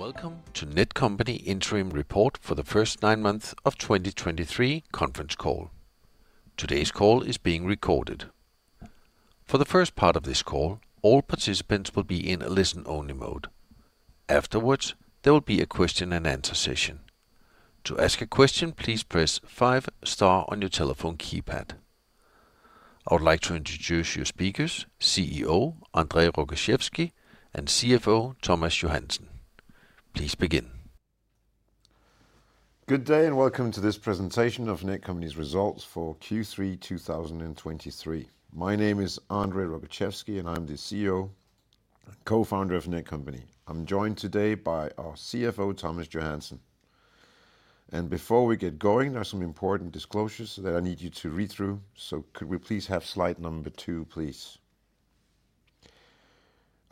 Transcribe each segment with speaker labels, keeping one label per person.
Speaker 1: Welcome to Netcompany Interim Report for the first nine months of 2023 Conference Call. Today's call is being recorded. For the first part of this call, all participants will be in a listen-only mode. Afterwards, there will be a question and answer session. To ask a question, please press five star on your telephone keypad. I would like to introduce your speakers, CEO André Rogaczewski and CFO Thomas Johansen. Please begin.
Speaker 2: Good day, and welcome to this presentation of Netcompany's results for Q3 2023. My name is André Rogaczewski, and I'm the CEO and co-founder of Netcompany. I'm joined today by our CFO, Thomas Johansen. Before we get going, there are some important disclosures that I need you to read through. So could we please have slide number 2, please?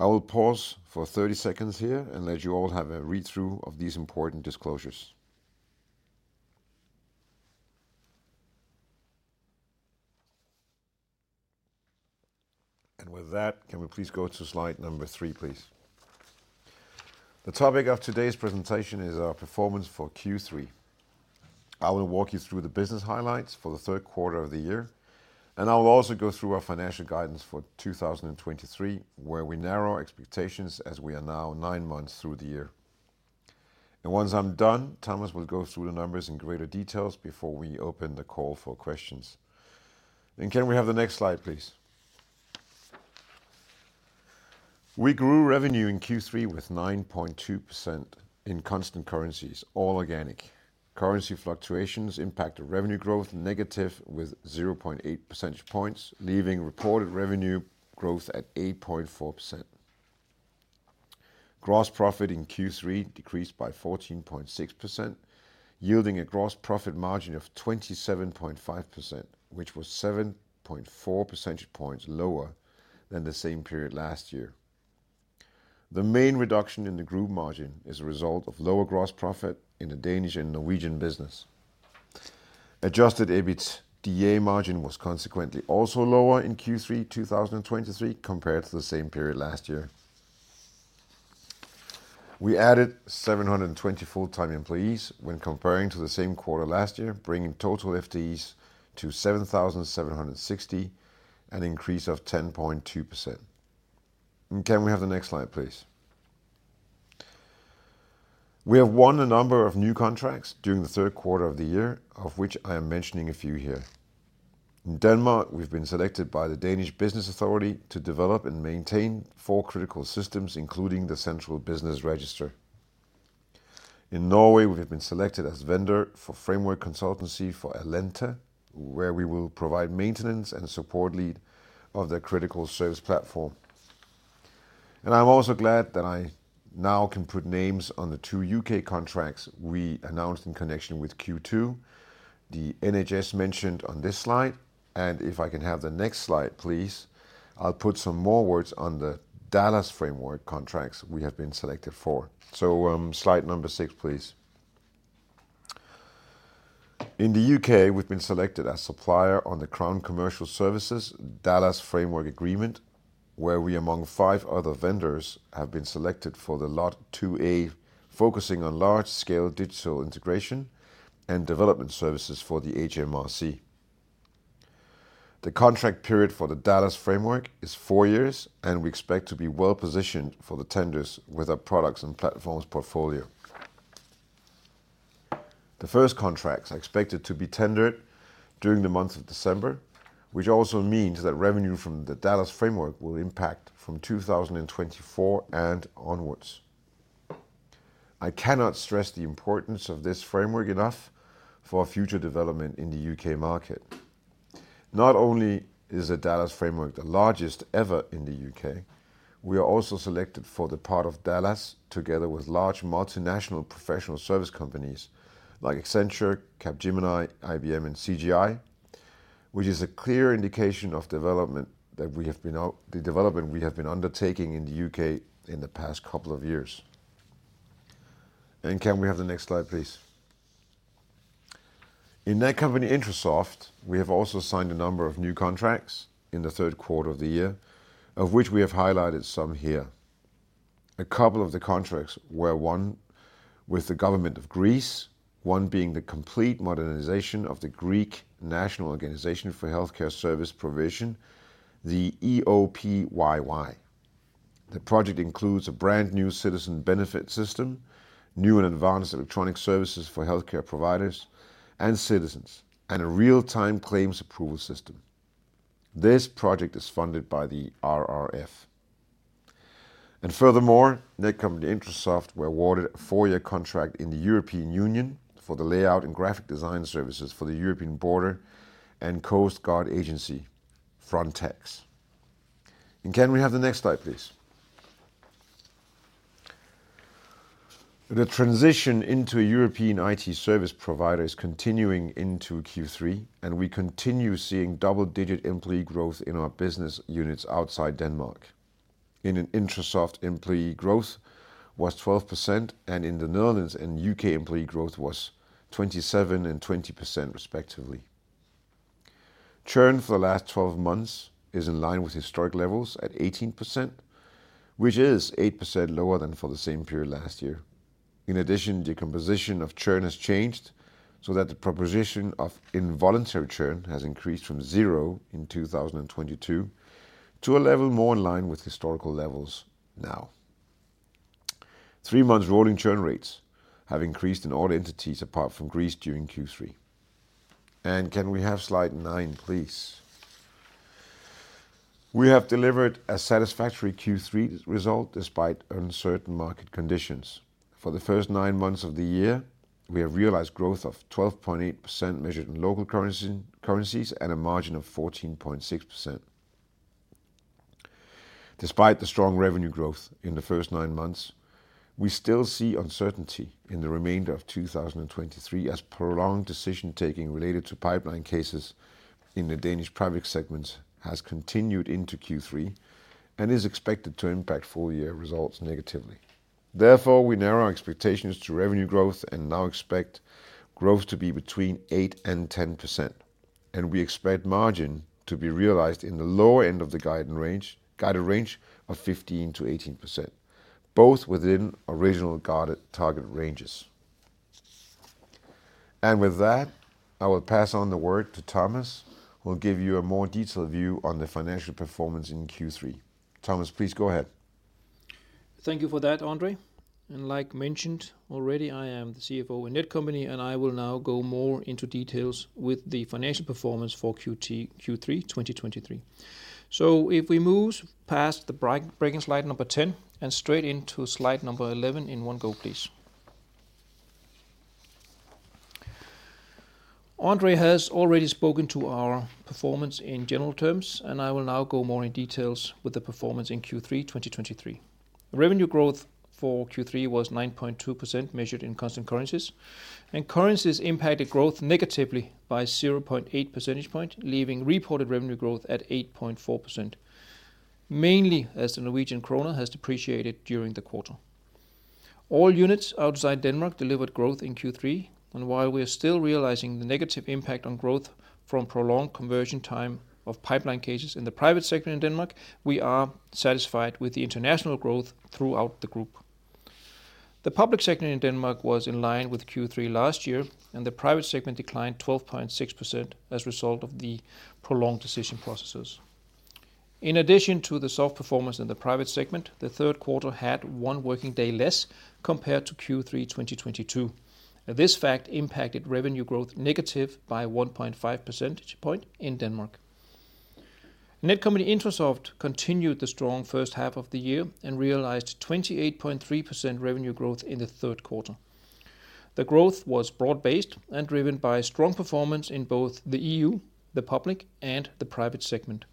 Speaker 2: I will pause for 30 seconds here and let you all have a read-through of these important disclosures. With that, can we please go to slide number 3, please? The topic of today's presentation is our performance for Q3. I will walk you through the business highlights for the third quarter of the year, and I will also go through our financial guidance for 2023, where we narrow our expectations as we are now 9 months through the year. Once I'm done, Thomas will go through the numbers in greater detail before we open the call for questions. Can we have the next slide, please? We grew revenue in Q3 with 9.2% in constant currencies, all organic. Currency fluctuations impacted revenue growth negative with 0.8 percentage points, leaving reported revenue growth at 8.4%. Gross profit in Q3 decreased by 14.6%, yielding a gross profit margin of 27.5%, which was 7.4 percentage points lower than the same period last year. The main reduction in the group margin is a result of lower gross profit in the Danish and Norwegian business. Adjusted EBITDA margin was consequently also lower in Q3 2023, compared to the same period last year. We added 720 full-time employees when comparing to the same quarter last year, bringing total FTEs to 7,760, an increase of 10.2%. Can we have the next slide, please? We have won a number of new contracts during the third quarter of the year, of which I am mentioning a few here. In Denmark, we've been selected by the Danish Business Authority to develop and maintain 4 critical systems, including the Central Business Register. In Norway, we have been selected as vendor for framework consultancy for Allente, where we will provide maintenance and support lead of their critical service platform. And I'm also glad that I now can put names on the 2 U.K. contracts we announced in connection with Q2, the NHS mentioned on this slide. If I can have the next slide, please, I'll put some more words on the DALAS framework contracts we have been selected for. So, slide number six, please. In the U.K., we've been selected as supplier on the Crown Commercial Service DALAS Framework Agreement, where we, among five other vendors, have been selected for the Lot 2a, focusing on large-scale digital integration and development services for the HMRC. The contract period for the DALAS framework is four years, and we expect to be well-positioned for the tenders with our products and platforms portfolio. The first contracts are expected to be tendered during the month of December, which also means that revenue from the DALAS framework will impact from 2024 and onwards. I cannot stress the importance of this framework enough for future development in the U.K. market. Not only is the DALAS framework the largest ever in the U.K., we are also selected for the part of DALAS together with large multinational professional service companies like Accenture, Capgemini, IBM, and CGI, which is a clear indication of the development we have been undertaking in the U.K. in the past couple of years. And can we have the next slide, please? In Netcompany-Intrasoft, we have also signed a number of new contracts in the third quarter of the year, of which we have highlighted some here. A couple of the contracts were won with the government of Greece, one being the complete modernization of the Greek National Organization for the Provision of Health Services, the EOPYY. The project includes a brand-new citizen benefit system, new and advanced electronic services for healthcare providers and citizens, and a real-time claims approval system. This project is funded by the RRF. Furthermore, Netcompany-Intrasoft was awarded a 4-year contract in the European Union for the layout and graphic design services for the European Border and Coast Guard Agency, Frontex. Can we have the next slide, please? The transition into a European IT service provider is continuing into Q3, and we continue seeing double-digit employee growth in our business units outside Denmark. In Netcompany-Intrasoft, employee growth was 12%, and in the Netherlands and U.K., employee growth was 27% and 20%, respectively. Churn for the last 12 months is in line with historic levels at 18%, which is 8% lower than for the same period last year. In addition, decomposition of churn has changed, so that the proposition of involuntary churn has increased from zero in 2022 to a level more in line with historical levels now. 3-month rolling churn rates have increased in all entities apart from Greece during Q3. Can we have slide 9, please? We have delivered a satisfactory Q3 result despite uncertain market conditions. For the first nine months of the year, we have realized growth of 12.8% measured in local currency, currencies, and a margin of 14.6%. Despite the strong revenue growth in the first nine months, we still see uncertainty in the remainder of 2023 as prolonged decision-taking related to pipeline cases in the Danish private segment has continued into Q3 and is expected to impact full year results negatively. Therefore, we narrow our expectations to revenue growth and now expect growth to be between 8% and 10%, and we expect margin to be realized in the lower end of the guided range, guided range of 15%-18%, both within original guided target ranges. With that, I will pass on the word to Thomas, who will give you a more detailed view on the financial performance in Q3. Thomas, please go ahead.
Speaker 3: Thank you for that, André, and like mentioned already, I am the CFO in Netcompany, and I will now go more into details with the financial performance for Q3 2023. So if we move past the break, breaking slide number 10 and straight into slide number 11 in one go, please. André has already spoken to our performance in general terms, and I will now go more in details with the performance in Q3 2023. Revenue growth for Q3 was 9.2%, measured in constant currencies, and currencies impacted growth negatively by 0.8 percentage point, leaving reported revenue growth at 8.4%, mainly as the Norwegian kroner has depreciated during the quarter. All units outside Denmark delivered growth in Q3, and while we are still realizing the negative impact on growth from prolonged conversion time of pipeline cases in the private sector in Denmark, we are satisfied with the international growth throughout the group. The public sector in Denmark was in line with Q3 last year, and the private segment declined 12.6% as a result of the prolonged decision processes. In addition to the soft performance in the private segment, the third quarter had one working day less compared to Q3 2022. This fact impacted revenue growth negative by 1.5 percentage point in Denmark. Netcompany-Intrasoft continued the strong first half of the year and realized 28.3% revenue growth in the third quarter. The growth was broad-based and driven by strong performance in both the EU, the public and the private segment.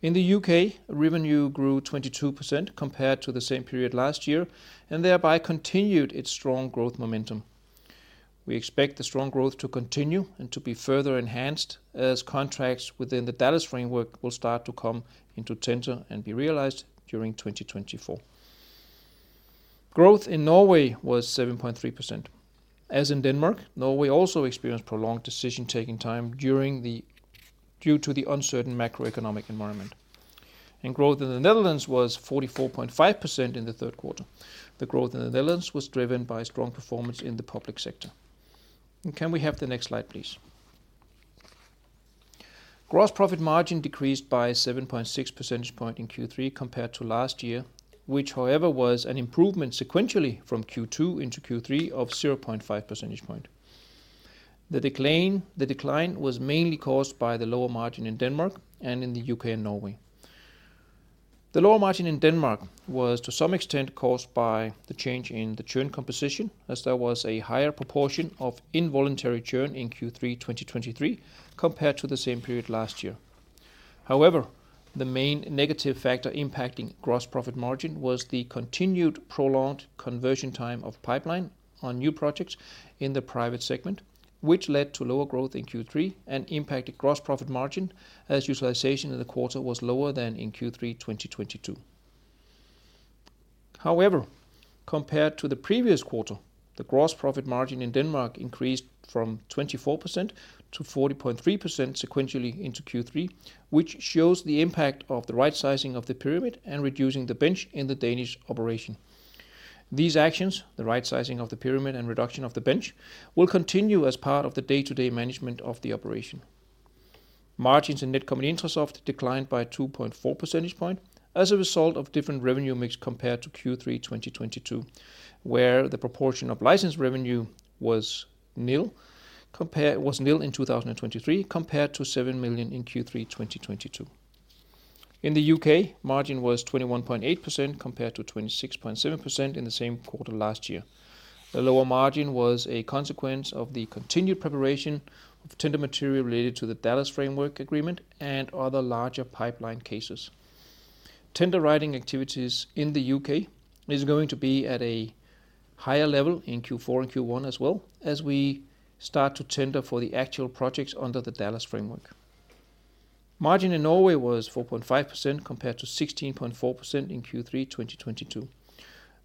Speaker 3: In the U.K., revenue grew 22% compared to the same period last year and thereby continued its strong growth momentum. We expect the strong growth to continue and to be further enhanced as contracts within the DALAS framework will start to come into tender and be realized during 2024. Growth in Norway was 7.3%. As in Denmark, Norway also experienced prolonged decision-taking time due to the uncertain macroeconomic environment. Growth in the Netherlands was 44.5% in the third quarter. The growth in the Netherlands was driven by strong performance in the public sector. Can we have the next slide, please? Gross profit margin decreased by 7.6 percentage points in Q3 compared to last year, which, however, was an improvement sequentially from Q2 into Q3 of 0.5 percentage point. The decline, the decline was mainly caused by the lower margin in Denmark and in the U.K. and Norway. The lower margin in Denmark was to some extent caused by the change in the churn composition, as there was a higher proportion of involuntary churn in Q3 2023 compared to the same period last year. However, the main negative factor impacting gross profit margin was the continued prolonged conversion time of pipeline on new projects in the private segment, which led to lower growth in Q3 and impacted gross profit margin, as utilization in the quarter was lower than in Q3 2022. However, compared to the previous quarter, the gross profit margin in Denmark increased from 24% to 40.3% sequentially into Q3, which shows the impact of the right sizing of the pyramid and reducing the bench in the Danish operation. These actions, the right sizing of the pyramid and reduction of the bench, will continue as part of the day-to-day management of the operation. Margins in Netcompany-Intrasoft declined by 2.4 percentage points as a result of different revenue mix compared to Q3 2022, where the proportion of licensed revenue was nil. Was nil in 2023, compared to 7 million in Q3 2022. In the U.K., margin was 21.8%, compared to 26.7% in the same quarter last year. The lower margin was a consequence of the continued preparation of tender material related to the DALAS Framework Agreement and other larger pipeline cases. Tender writing activities in the U.K. is going to be at a higher level in Q4 and Q1 as well, as we start to tender for the actual projects under the DALAS Framework.... Margin in Norway was 4.5%, compared to 16.4% in Q3 2022.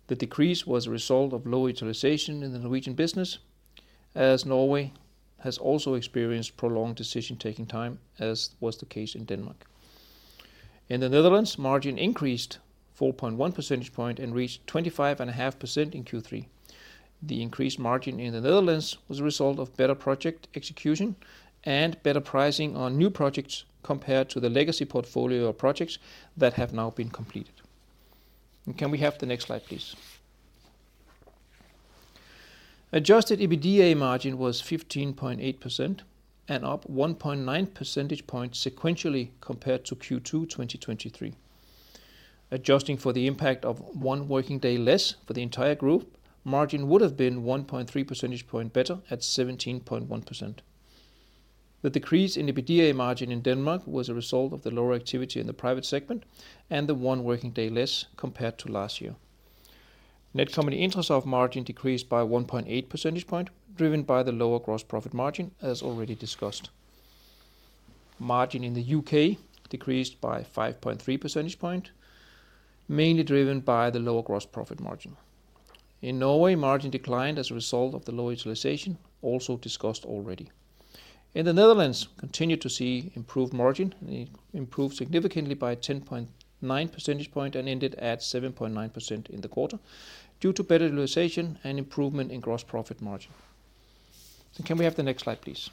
Speaker 3: The decrease was a result of low utilization in the Norwegian business, as Norway has also experienced prolonged decision-taking time, as was the case in Denmark. In the Netherlands, margin increased 4.1 percentage point and reached 25.5% in Q3. The increased margin in the Netherlands was a result of better project execution and better pricing on new projects, compared to the legacy portfolio of projects that have now been completed. And can we have the next slide, please? Adjusted EBITDA margin was 15.8% and up 1.9 percentage points sequentially compared to Q2 2023. Adjusting for the impact of one working day less for the entire group, margin would have been 1.3 percentage point better at 17.1%. The decrease in EBITDA margin in Denmark was a result of the lower activity in the private segment and the one working day less compared to last year. Netcompany-Intrasoft margin decreased by 1.8 percentage point, driven by the lower gross profit margin, as already discussed. Margin in the U.K. decreased by 5.3 percentage point, mainly driven by the lower gross profit margin. In Norway, margin declined as a result of the low utilization, also discussed already. In the Netherlands, continued to see improved margin, improved significantly by 10.9 percentage point and ended at 7.9% in the quarter, due to better utilization and improvement in gross profit margin. And can we have the next slide, please?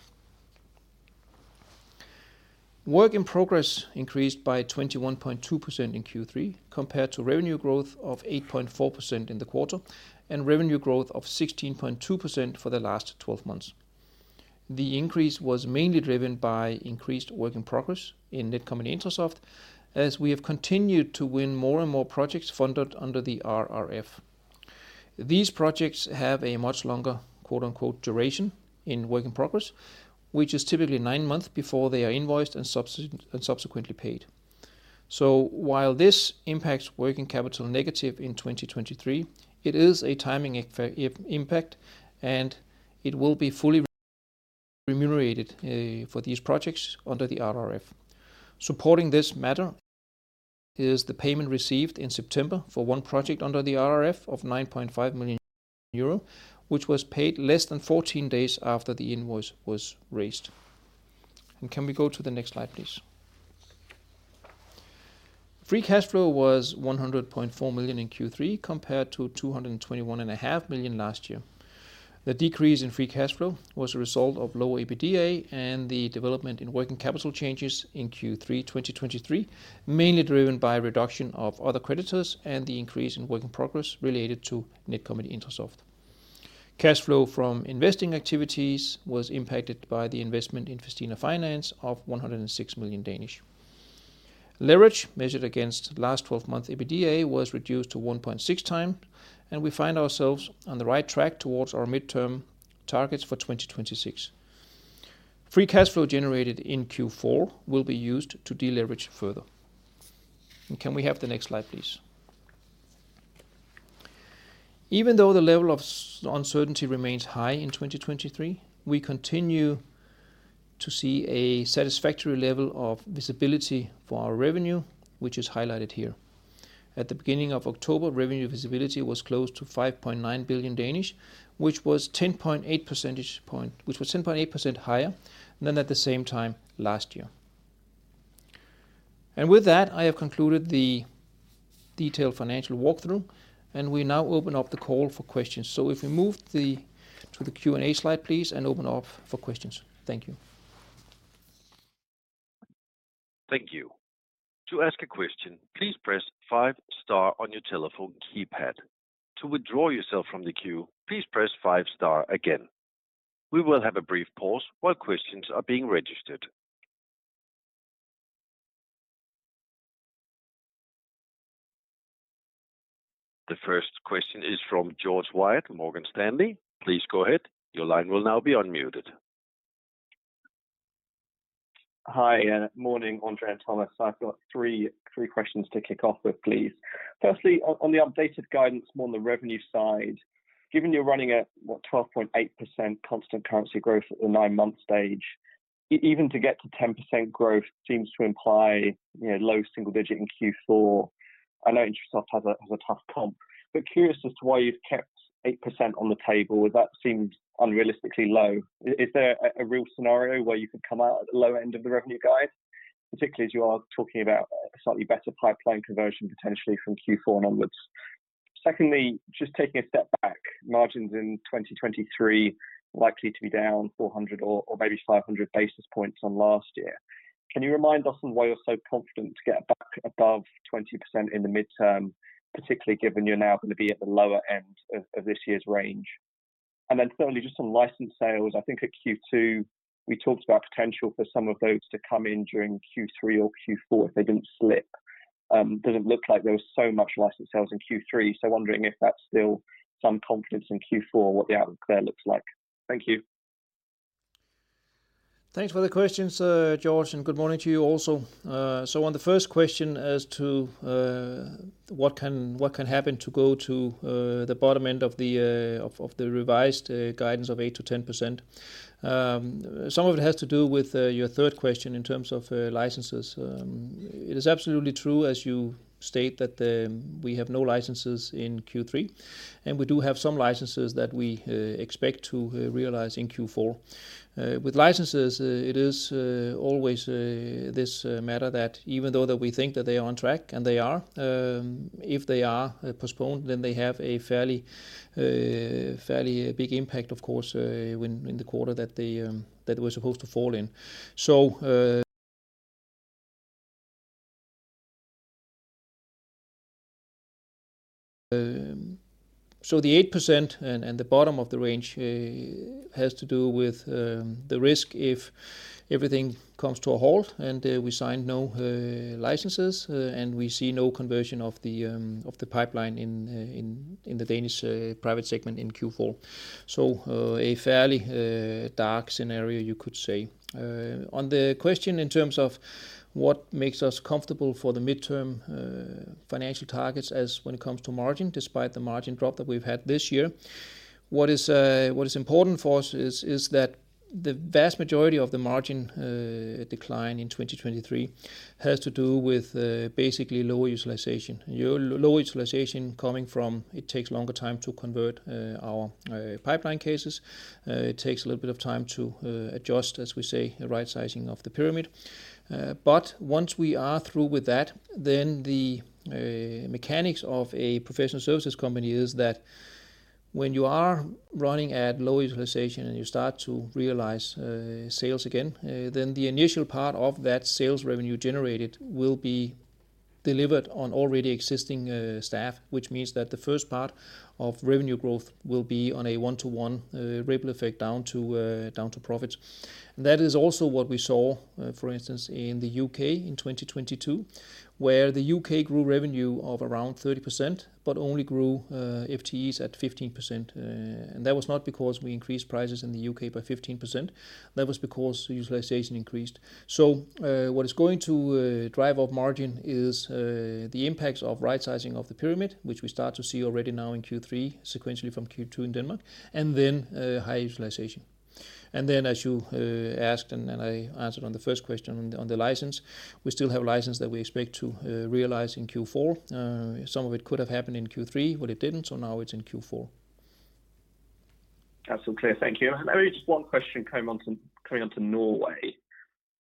Speaker 3: Work in progress increased by 21.2% in Q3, compared to revenue growth of 8.4% in the quarter, and revenue growth of 16.2% for the last twelve months. The increase was mainly driven by increased work in progress in Netcompany-Intrasoft, as we have continued to win more and more projects funded under the RRF. These projects have a much longer, quote-unquote, "duration" in work in progress, which is typically nine months before they are invoiced and subsequently paid. So while this impacts working capital negative in 2023, it is a timing impact, and it will be fully remunerated for these projects under the RRF. Supporting this matter is the payment received in September for one project under the RRF of 9.5 million euro, which was paid less than 14 days after the invoice was raised. Can we go to the next slide, please? Free cash flow was 100.4 million in Q3, compared to 221.5 million last year. The decrease in free cash flow was a result of lower EBITDA and the development in working capital changes in Q3 2023, mainly driven by a reduction of other creditors and the increase in work in progress related to Netcompany-Intrasoft. Cash flow from investing activities was impacted by the investment in Festina Finance of 106 million Danish. Leverage, measured against last twelve-month EBITDA, was reduced to 1.6 times, and we find ourselves on the right track towards our midterm targets for 2026. Free cash flow generated in Q4 will be used to deleverage further. Can we have the next slide, please? Even though the level of uncertainty remains high in 2023, we continue to see a satisfactory level of visibility for our revenue, which is highlighted here. At the beginning of October, revenue visibility was close to 5.9 billion, which was 10.8% higher than at the same time last year. With that, I have concluded the detailed financial walkthrough, and we now open up the call for questions. If we move to the Q&A slide, please, and open up for questions. Thank you.
Speaker 1: Thank you. To ask a question, please press five star on your telephone keypad. To withdraw yourself from the queue, please press five star again. We will have a brief pause while questions are being registered. The first question is from George Webb, Morgan Stanley. Please go ahead. Your line will now be unmuted.
Speaker 4: Hi, morning, André and Thomas. I've got three questions to kick off with, please. Firstly, on the updated guidance, more on the revenue side. Given you're running at, what? 12.8% constant currency growth at the nine-month stage, even to get to 10% growth seems to imply low single digit in Q4. I know Intrasoft has a tough comp, but curious as to why you've kept 8% on the table. That seems unrealistically low. Is there a real scenario where you could come out at the low end of the revenue guide, particularly as you are talking about a slightly better pipeline conversion, potentially from Q4 onwards? Secondly, just taking a step back, margins in 2023 likely to be down 400 or maybe 500 basis points on last year. Can you remind us on why you're so confident to get back above 20% in the midterm, particularly given you're now going to be at the lower end of this year's range? And then finally, just on license sales, I think at Q2, we talked about potential for some of those to come in during Q3 or Q4 if they didn't slip. Doesn't look like there was so much license sales in Q3, so wondering if that's still some confidence in Q4, what the outlook there looks like. Thank you.
Speaker 3: Thanks for the questions, George, and good morning to you also. So on the first question as to, what can, what can happen to go to, the bottom end of the, of, of the revised, guidance of 8%-10%. Some of it has to do with, your third question in terms of, licenses. It is absolutely true, as you state, that the, we have no licenses in Q3, and we do have some licenses that we, expect to, realize in Q4. With licenses, it is always this matter that even though we think that they are on track, and they are, if they are postponed, then they have a fairly big impact, of course, when in the quarter that they were supposed to fall in. So, the 8% and the bottom of the range has to do with the risk if everything comes to a halt and we sign no licenses and we see no conversion of the pipeline in the Danish private segment in Q4. So, a fairly dark scenario, you could say. On the question in terms of what makes us comfortable for the midterm financial targets as when it comes to margin, despite the margin drop that we've had this year, what is important for us is that the vast majority of the margin decline in 2023 has to do with basically lower utilization. Low utilization coming from it takes longer time to convert our pipeline cases. It takes a little bit of time to adjust, as we say, the right sizing of the pyramid. But once we are through with that, then the mechanics of a professional services company is that when you are running at low utilization and you start to realize sales again, then the initial part of that sales revenue generated will be delivered on already existing staff. Which means that the first part of revenue growth will be on a one-to-one, ripple effect down to, down to profits. And that is also what we saw, for instance, in the U.K. in 2022, where the U.K. grew revenue of around 30%, but only grew FTEs at 15%. And that was not because we increased prices in the U.K. by 15%, that was because utilization increased. So, what is going to drive up margin is the impacts of right sizing of the pyramid, which we start to see already now in Q3, sequentially from Q2 in Denmark, and then high utilization. And then, as you asked, and then I answered on the first question on the, on the license, we still have license that we expect to realize in Q4. Some of it could have happened in Q3, but it didn't, so now it's in Q4.
Speaker 4: Absolutely clear. Thank you. Maybe just one question coming on to, coming on to Norway.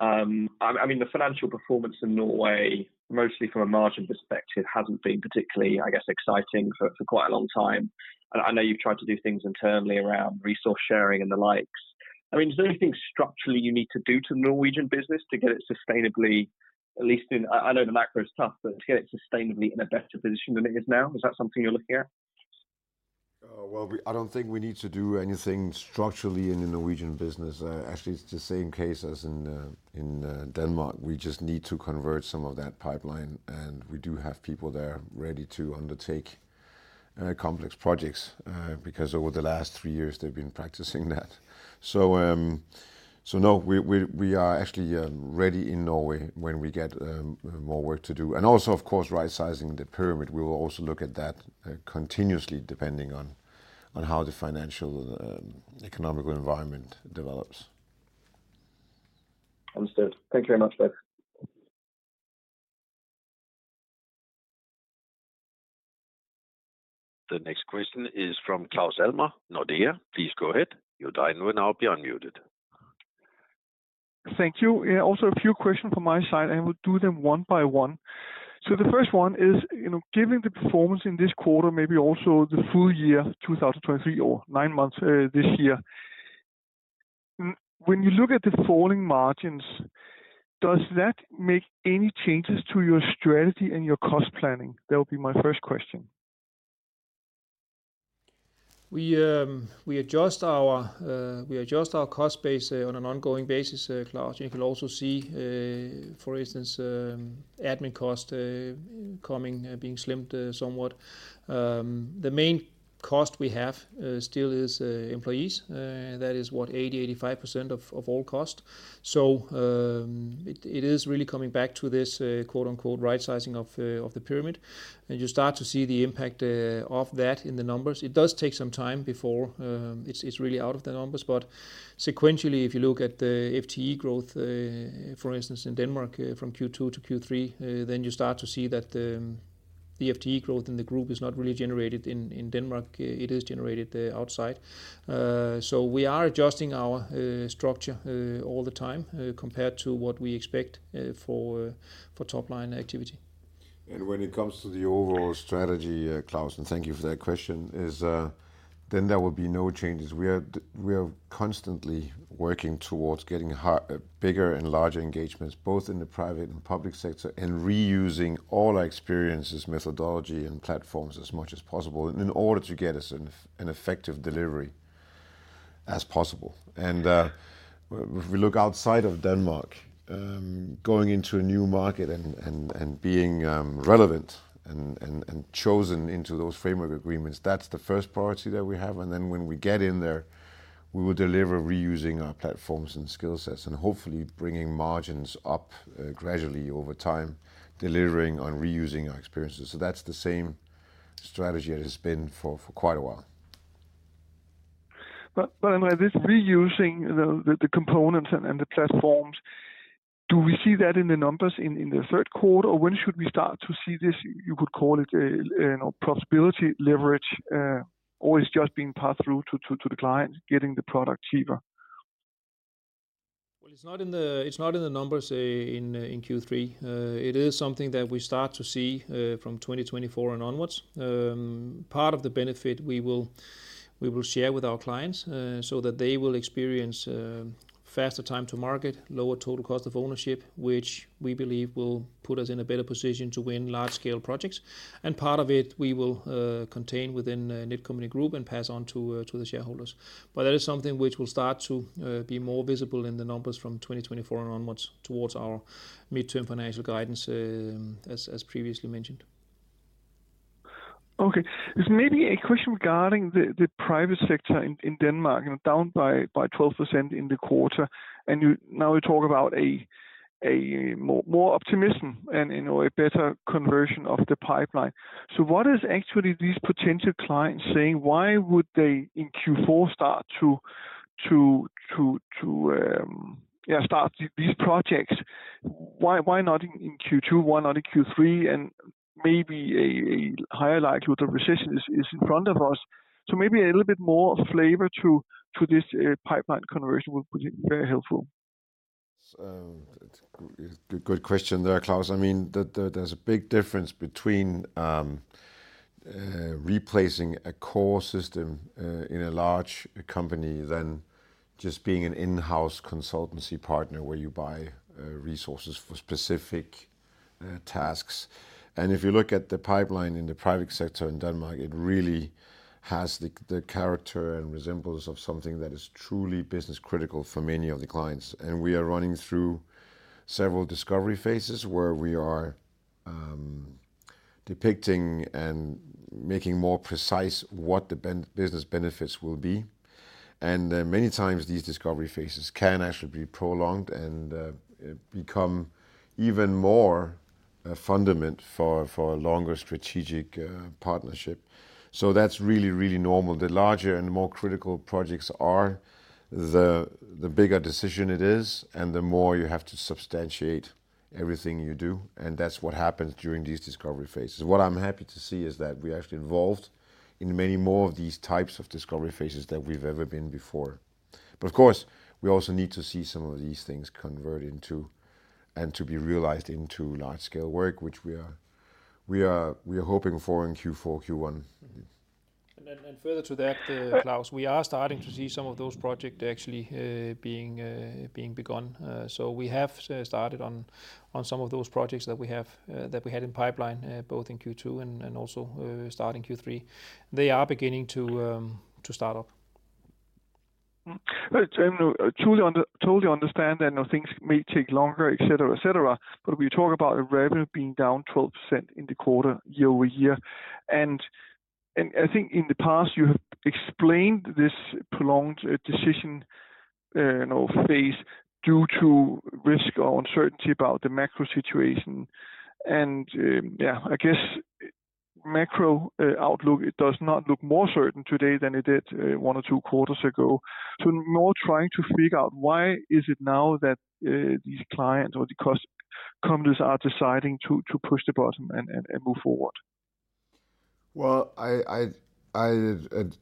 Speaker 4: I mean, the financial performance in Norway, mostly from a margin perspective, hasn't been particularly, I guess, exciting for quite a long time. And I know you've tried to do things internally around resource sharing and the likes. I mean, is there anything structurally you need to do to the Norwegian business to get it sustainably, at least in... I know the macro is tough, but to get it sustainably in a better position than it is now, is that something you're looking at?
Speaker 2: Well, I don't think we need to do anything structurally in the Norwegian business. Actually, it's the same case as in Denmark. We just need to convert some of that pipeline, and we do have people there ready to undertake complex projects because over the last three years, they've been practicing that. So, no, we are actually ready in Norway when we get more work to do. And also, of course, right sizing the pyramid. We will also look at that continuously, depending on how the financial and economical environment develops.
Speaker 4: Understood. Thank you very much, Mike.
Speaker 1: The next question is from Claus Almer, Nordea. Please go ahead. Your line will now be unmuted.
Speaker 5: Thank you. Also a few questions from my side, I will do them one by one. The first one is given the performance in this quarter, maybe also the full year, 2023 or nine months, this year, when you look at the falling margins, does that make any changes to your strategy and your cost planning? That would be my first question.
Speaker 3: We adjust our cost base on an ongoing basis, Claus. You can also see, for instance, admin cost coming, being slimmed somewhat. The main cost we have still is employees, that is what? 80-85% of all cost. It is really coming back to this quote-unquote "right sizing of the pyramid." You start to see the impact of that in the numbers. It does take some time before it's really out of the numbers. But sequentially, if you look at the FTE growth for instance in Denmark from Q2 to Q3, then you start to see that the FTE growth in the group is not really generated in Denmark. It is generated outside. So we are adjusting our structure all the time compared to what we expect for top-line activity.
Speaker 2: When it comes to the overall strategy, Claus, and thank you for that question, then there will be no changes. We are constantly working towards getting bigger and larger engagements, both in the private and public sector, and reusing all our experiences, methodology, and platforms as much as possible in order to get us an effective delivery as possible. If we look outside of Denmark, going into a new market and being relevant and chosen into those framework agreements, that's the first priority that we have. And then when we get in there, we will deliver reusing our platforms and skill sets, and hopefully bringing margins up gradually over time, delivering on reusing our experiences. So that's the same strategy that it's been for quite a while.
Speaker 5: But this reusing the components and the platforms, do we see that in the numbers in the third quarter? Or when should we start to see this, you could call it a profitability leverage, or it's just being passed through to the client, getting the product cheaper?
Speaker 3: Well, it's not in the numbers in Q3. It is something that we start to see from 2024 and onwards. Part of the benefit we will share with our clients so that they will experience faster time to market, lower total cost of ownership, which we believe will put us in a better position to win large-scale projects. And part of it, we will contain within Netcompany Group and pass on to the shareholders. But that is something which will start to be more visible in the numbers from 2024 and onwards towards our midterm financial guidance, as previously mentioned.
Speaker 5: Okay. This may be a question regarding the private sector in Denmark down by 12% in the quarter, and you now talk about a more optimism and a better conversion of the pipeline. So what is actually these potential clients saying? Why would they, in Q4, start these projects? Why not in Q2, why not in Q3, and maybe a higher likelihood of recession is in front of us? So maybe a little bit more flavor to this pipeline conversion would be very helpful.
Speaker 2: So it's a good question there, Claus. I mean, there's a big difference between replacing a core system in a large company than just being an in-house consultancy partner, where you buy resources for specific tasks. And if you look at the pipeline in the private sector in Denmark, it really has the character and resemblance of something that is truly business-critical for many of the clients. And we are running through several discovery phases where we are depicting and making more precise what the business benefits will be. And many times, these discovery phases can actually be prolonged and become even more fundament for a longer strategic partnership. So that's really, really normal. The larger and more critical projects are, the bigger decision it is, and the more you have to substantiate everything you do, and that's what happens during these discovery phases. What I'm happy to see is that we are actually involved in many more of these types of discovery phases than we've ever been before. But of course, we also need to see some of these things convert into and to be realized into large-scale work, which we are hoping for in Q4, Q1.
Speaker 3: Further to that, Claus, we are starting to see some of those projects actually being begun. So we have started on some of those projects that we had in pipeline, both in Q2 and also starting Q3. They are beginning to start up.
Speaker 5: Well, I totally understand that now things may take longer, et cetera, et cetera. But we talk about the revenue being down 12% in the quarter, year-over-year. And I think in the past, you have explained this prolonged decision phase due to risk or uncertainty about the macro situation. And, yeah, I guess, macro outlook, it does not look more certain today than it did one or two quarters ago. So more trying to figure out why is it now that these clients or the companies are deciding to push the button and move forward?
Speaker 2: Well,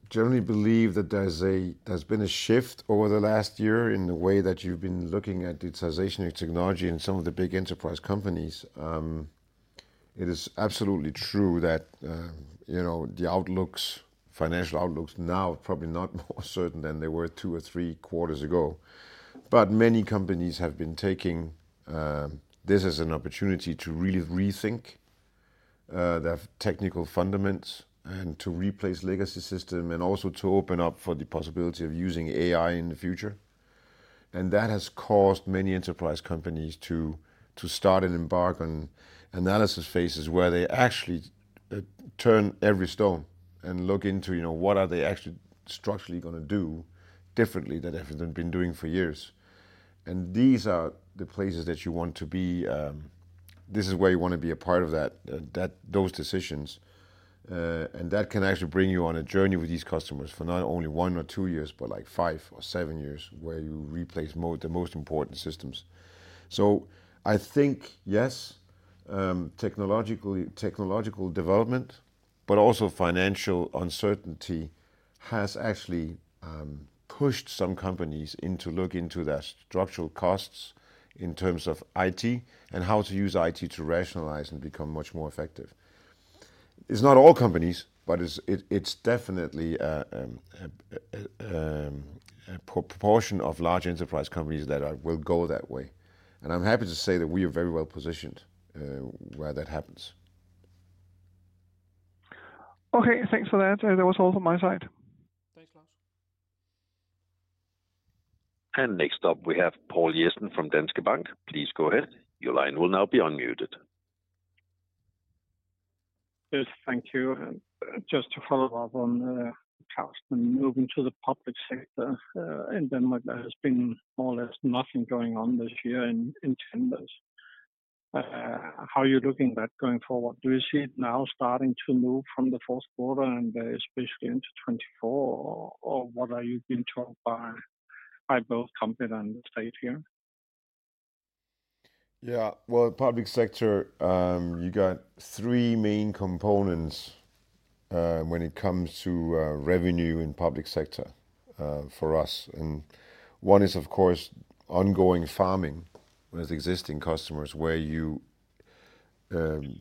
Speaker 2: generally believe that there's been a shift over the last year in the way that you've been looking at digitization and technology in some of the big enterprise companies. It is absolutely true that the outlooks, financial outlooks now are probably not more certain than they were two or three quarters ago. But many companies have been taking this as an opportunity to really rethink their technical fundamentals and to replace legacy system and also to open up for the possibility of using AI in the future. And that has caused many enterprise companies to start and embark on analysis phases where they actually turn every stone and look into what are they actually structurally gonna do differently than they've been doing for years. And these are the places that you want to be. This is where you want to be a part of that, that, those decisions. And that can actually bring you on a journey with these customers for not only one or two years, but like five or seven years, where you replace the most important systems. So I think, yes, technologically, technological development, but also financial uncertainty, has actually pushed some companies in to look into their structural costs in terms of IT and how to use IT to rationalize and become much more effective. It's not all companies, but it's, it, it's definitely a, a, a proportion of large enterprise companies that are, will go that way. And I'm happy to say that we are very well positioned, where that happens.
Speaker 5: Okay, thanks for that. That was all from my side. Thanks, Lars.
Speaker 1: Next up, we have Poul Jessen from Danske Bank. Please go ahead. Your line will now be unmuted.
Speaker 6: Yes, thank you. Just to follow up on customs, moving to the public sector, in Denmark, there has been more or less nothing going on this year in tenders. How are you looking at that going forward? Do you see it now starting to move from the fourth quarter and, especially into 2024? Or what are you being told by both company and the state here?
Speaker 2: Yeah, well, public sector, you got three main components, when it comes to, revenue in public sector, for us. And one is, of course, ongoing farming with existing customers, where you,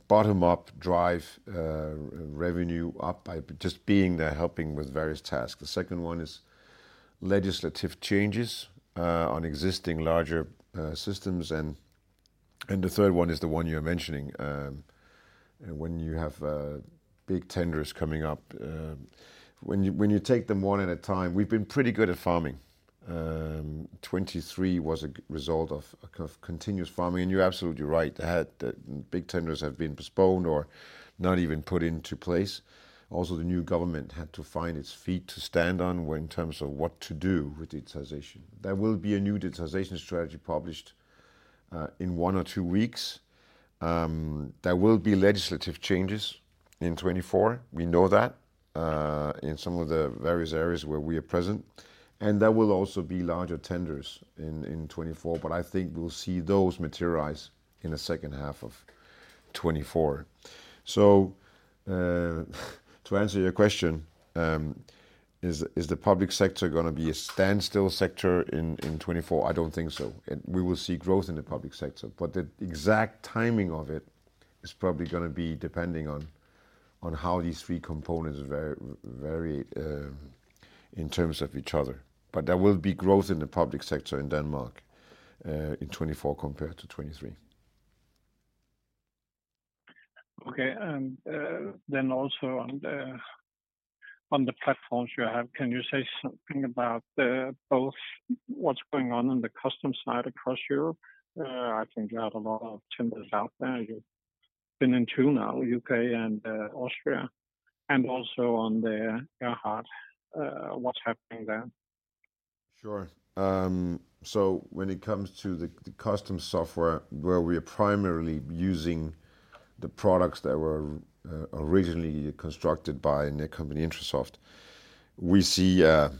Speaker 2: bottom-up drive, revenue up by just being there, helping with various tasks. The second one is legislative changes, on existing larger, systems. And the third one is the one you're mentioning, when you have, big tenders coming up. When you take them one at a time, we've been pretty good at farming. 2023 was a good result of a kind of continuous farming, and you're absolutely right, that the big tenders have been postponed or not even put into place. Also, the new government had to find its feet to stand on when, in terms of what to do with digitization. There will be a new digitization strategy published in one or two weeks. There will be legislative changes in 2024, we know that, in some of the various areas where we are present, and there will also be larger tenders in 2024. But I think we'll see those materialize in the second half of 2024. So, to answer your question, is the public sector gonna be a standstill sector in 2024? I don't think so. We will see growth in the public sector, but the exact timing of it is probably gonna be depending on how these three components vary in terms of each other. But there will be growth in the public sector in Denmark in 2024 compared to 2023.
Speaker 6: Okay, and then also on the platforms you have, can you say something about both what's going on on the customs side across Europe? I think you have a lot of tenders out there you've been into now, U.K. and Austria, and also on the AirHart, what's happening there?
Speaker 2: Sure. So when it comes to the custom software, where we are primarily using the products that were originally constructed by their company, Intrasoft, we see an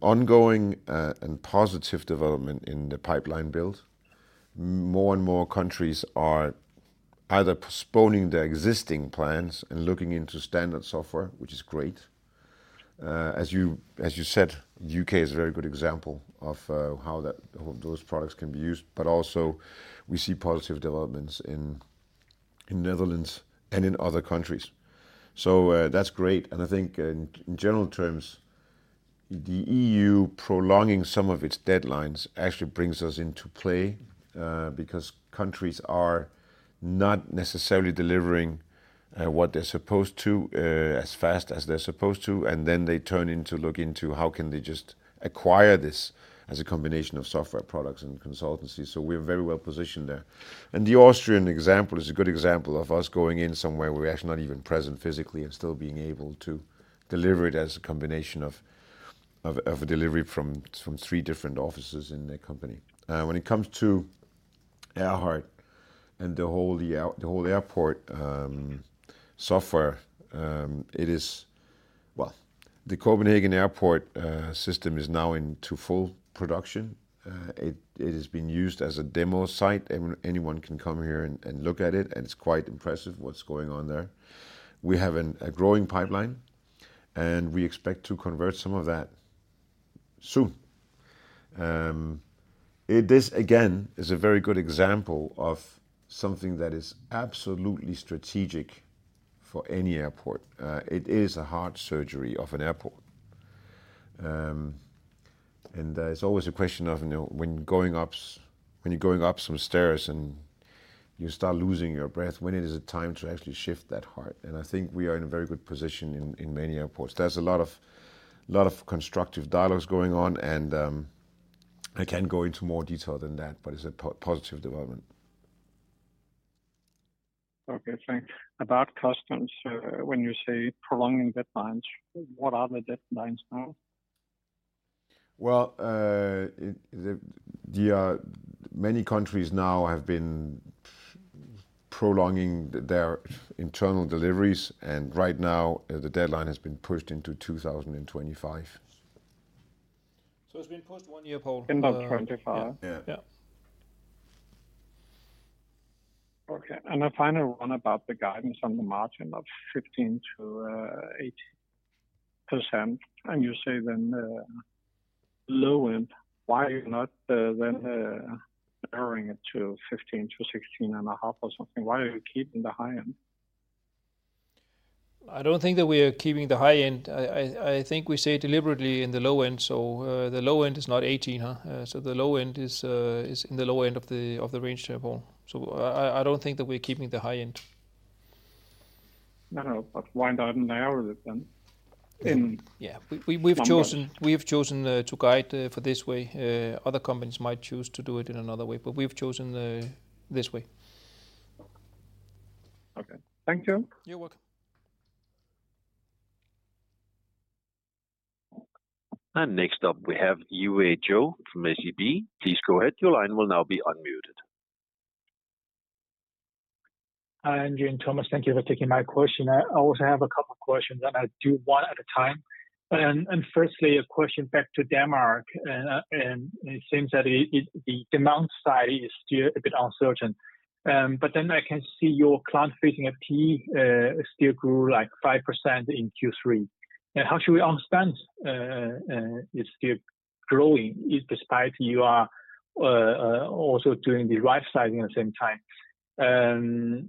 Speaker 2: ongoing and positive development in the pipeline build. More and more countries are either postponing their existing plans and looking into standard software, which is great. As you said, U.K. is a very good example of how those products can be used, but also we see positive developments in Netherlands and in other countries. So, that's great, and I think in general terms, the EU prolonging some of its deadlines actually brings us into play, because countries are not necessarily delivering what they're supposed to as fast as they're supposed to, and then they turn to look into how can they just acquire this as a combination of software products and consultancy. So we're very well positioned there. And the Austrian example is a good example of us going in somewhere we're actually not even present physically and still being able to deliver it as a combination of a delivery from three different offices in their company. When it comes to AirHart and the whole airport software, it is well, the Copenhagen Airport system is now into full production. It has been used as a demo site. Anyone can come here and look at it, and it's quite impressive what's going on there. We have a growing pipeline, and we expect to convert some of that soon. This again is a very good example of something that is absolutely strategic for any airport. It is a heart surgery of an airport. And it's always a question of when going up, when you're going up some stairs and you start losing your breath, when is it time to actually shift that heart? And I think we are in a very good position in many airports. There's a lot of constructive dialogues going on, and I can't go into more detail than that, but it's a positive development.
Speaker 6: Okay, thanks. About customs, when you say prolonging deadlines, what are the deadlines now?
Speaker 2: Well, many countries now have been prolonging their internal deliveries, and right now, the deadline has been pushed into 2025.
Speaker 3: It's been pushed one year, Poul? End of 2025.
Speaker 2: Yeah.
Speaker 3: Yeah.
Speaker 6: Okay, and a final one about the guidance on the margin of 15%-18%. And you say then, low end, why you're not then lowering it to 15%-16.5 or something? Why are you keeping the high end?
Speaker 3: I don't think that we are keeping the high end. I think we say deliberately in the low end, so the low end is not 18, huh? So the low end is in the low end of the range table. So I don't think that we're keeping the high end.
Speaker 6: No, no, but why not narrow it then in-
Speaker 3: Yeah, we've chosen to guide for this way. Other companies might choose to do it in another way, but we've chosen this way.
Speaker 6: Okay. Thank you.
Speaker 3: You're welcome.
Speaker 1: Next up, we have Yiwei Zhou from SEB. Please go ahead, your line will now be unmuted.
Speaker 7: Hi, André and Thomas, thank you for taking my question. I also have a couple of questions, and I'll do one at a time. And firstly, a question back to Denmark. And it seems that it, the demand side is still a bit uncertain. But then I can see your client-facing FTE still grew, like, 5% in Q3. And how should we understand it's still growing, if despite you are also doing the right sizing at the same time? So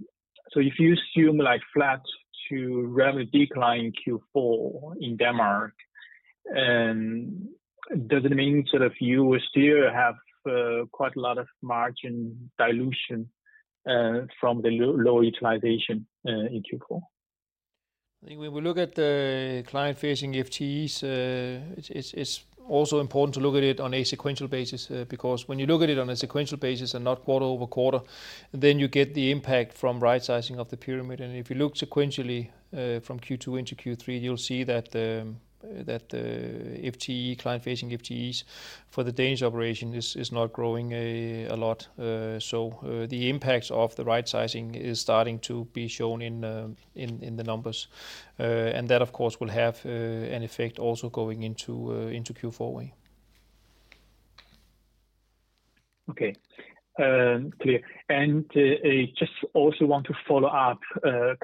Speaker 7: if you assume, like, flat to revenue decline in Q4 in Denmark, does it mean sort of you will still have quite a lot of margin dilution from the low utilization in Q4?
Speaker 3: I think when we look at the client-facing FTEs, it's also important to look at it on a sequential basis. Because when you look at it on a sequential basis and not quarter-over-quarter, then you get the impact from right sizing of the pyramid. And if you look sequentially, from Q2 into Q3, you'll see that the FTE, client-facing FTEs for the Danish operation is not growing a lot. So, the impacts of the right sizing is starting to be shown in the numbers. And that, of course, will have an effect also going into Q4 way.
Speaker 7: Okay. Clear. I just also want to follow up,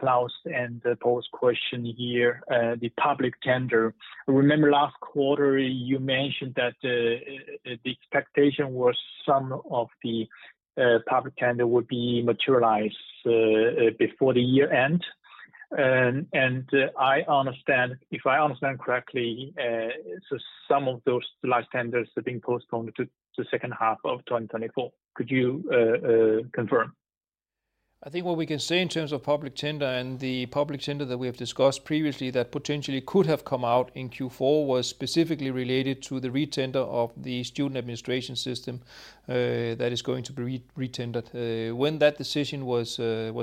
Speaker 7: Claus and Poul's question here, the public tender. I remember last quarter you mentioned that, the expectation was some of the, public tender would be materialized, before the year end. And I understand—If I understand correctly, so some of those large tenders have been postponed to, second half of 2024. Could you, confirm?
Speaker 3: I think what we can say in terms of public tender, and the public tender that we have discussed previously that potentially could have come out in Q4, was specifically related to the re-tender of the student administration system that is going to be re-retendered. When that decision was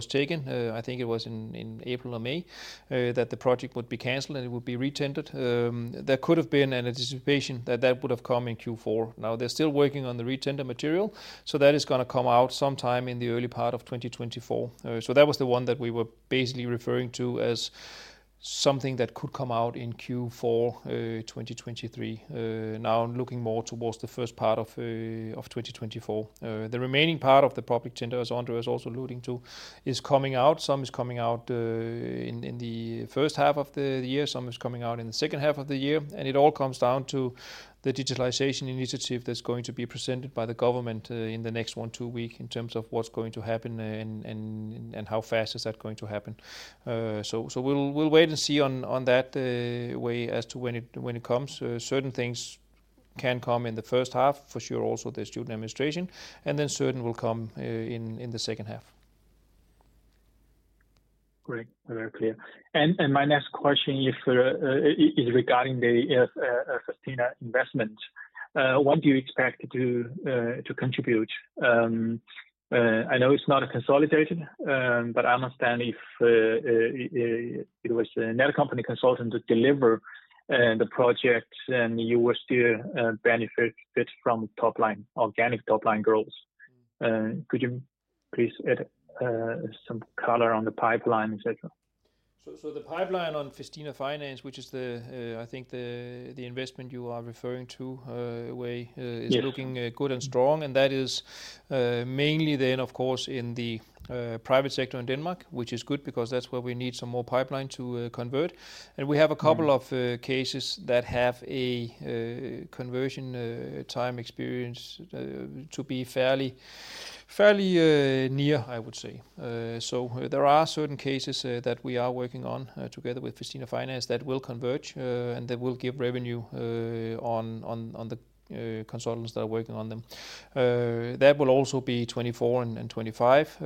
Speaker 3: taken, I think it was in April or May that the project would be canceled, and it would be retendered. There could have been an anticipation that that would have come in Q4. Now, they're still working on the retender material, so that is gonna come out sometime in the early part of 2024. So that was the one that we were basically referring to as something that could come out in Q4, 2023. Now looking more towards the first part of 2024. The remaining part of the public tender, as Andre was also alluding to, is coming out. Some is coming out in the first half of the year, some is coming out in the second half of the year. It all comes down to the digitalization initiative that's going to be presented by the government in the next 1-2 weeks, in terms of what's going to happen and how fast is that going to happen. So we'll wait and see on that way as to when it comes. Certain things can come in the first half, for sure, also the student administration, and then certain will come in the second half.
Speaker 7: Great. Very clear. And my next question is regarding the Festina investment. What do you expect it to contribute? I know it's not a consolidated, but I understand if it was another company consultant to deliver the project, and you will still benefit it from top line, organic top-line growth. Could you please add some color on the pipeline, et cetera?
Speaker 3: So, the pipeline on Festina Finance, which is the, I think, the investment you are referring to, way is looking good and strong. That is mainly then, of course, in the private sector in Denmark, which is good because that's where we need some more pipeline to convert. We have a couple of cases that have a conversion time experience to be fairly, fairly near, I would say. So there are certain cases that we are working on together with Festina Finance, that will converge, and that will give revenue on the consultants that are working on them. That will also be 2024 and 2025.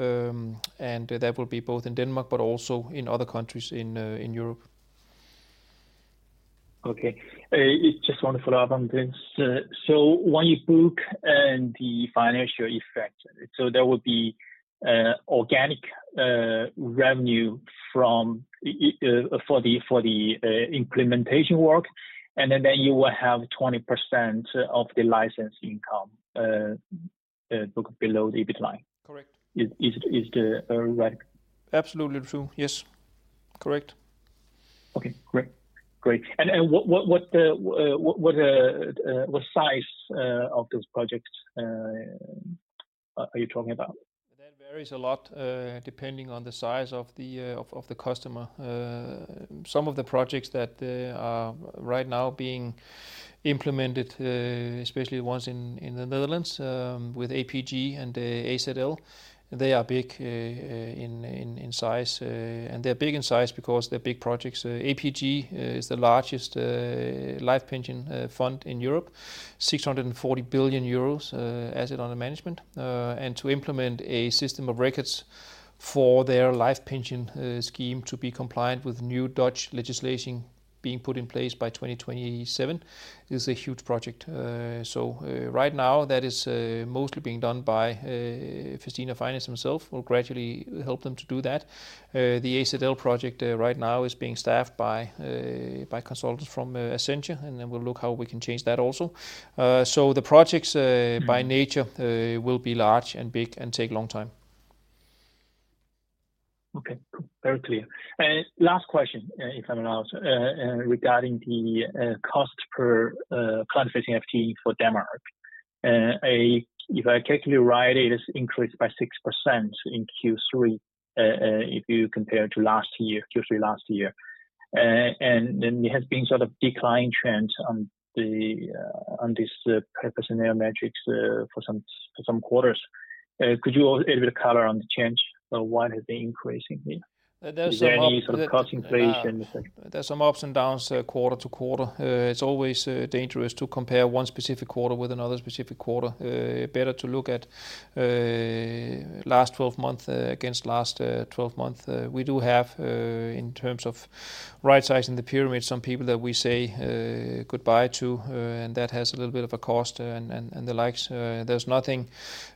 Speaker 3: And that will be both in Denmark, but also in other countries in Europe.
Speaker 7: Okay. Just want to follow up on this. So when you book the financial effect, so there will be organic revenue from the implementation work, and then you will have 20% of the licensing income booked below the EBITDA line?
Speaker 3: Correct.
Speaker 7: Is that right?
Speaker 3: Absolutely true. Yes. Correct.
Speaker 7: Okay, great. Great. And what size of this project are you talking about?
Speaker 3: That varies a lot, depending on the size of the customer. Some of the projects that are right now being implemented, especially ones in the Netherlands, with APG and AZL, they are big in size. They're big in size because they're big projects. APG is the largest life pension fund in Europe, 640 billion euros asset under management. To implement a system of records for their life pension scheme to be compliant with new Dutch legislation being put in place by 2027. It's a huge project. So right now, that is mostly being done by Festina Finance themselves. We'll gradually help them to do that. The AZL project, right now, is being staffed by consultants from Accenture, and then we'll look how we can change that also. So the projects, by nature, will be large, and big, and take a long time.
Speaker 7: Okay, very clear. Last question, if I'm allowed, regarding the cost per classified FTE for Denmark. If I calculate it right, it is increased by 6% in Q3, if you compare to last year, Q3 last year. And then there has been sort of decline trend on this per person hour metrics, for some quarters. Could you a little bit of color on the change, why has been increasing here?
Speaker 3: There's some-
Speaker 7: Is there any sort of cost inflation?
Speaker 3: There's some ups and downs, quarter to quarter. It's always dangerous to compare one specific quarter with another specific quarter. Better to look at last 12 months against last 12 month. We do have, in terms of right-sizing the pyramid, some people that we say goodbye to, and that has a little bit of a cost and the likes. There's nothing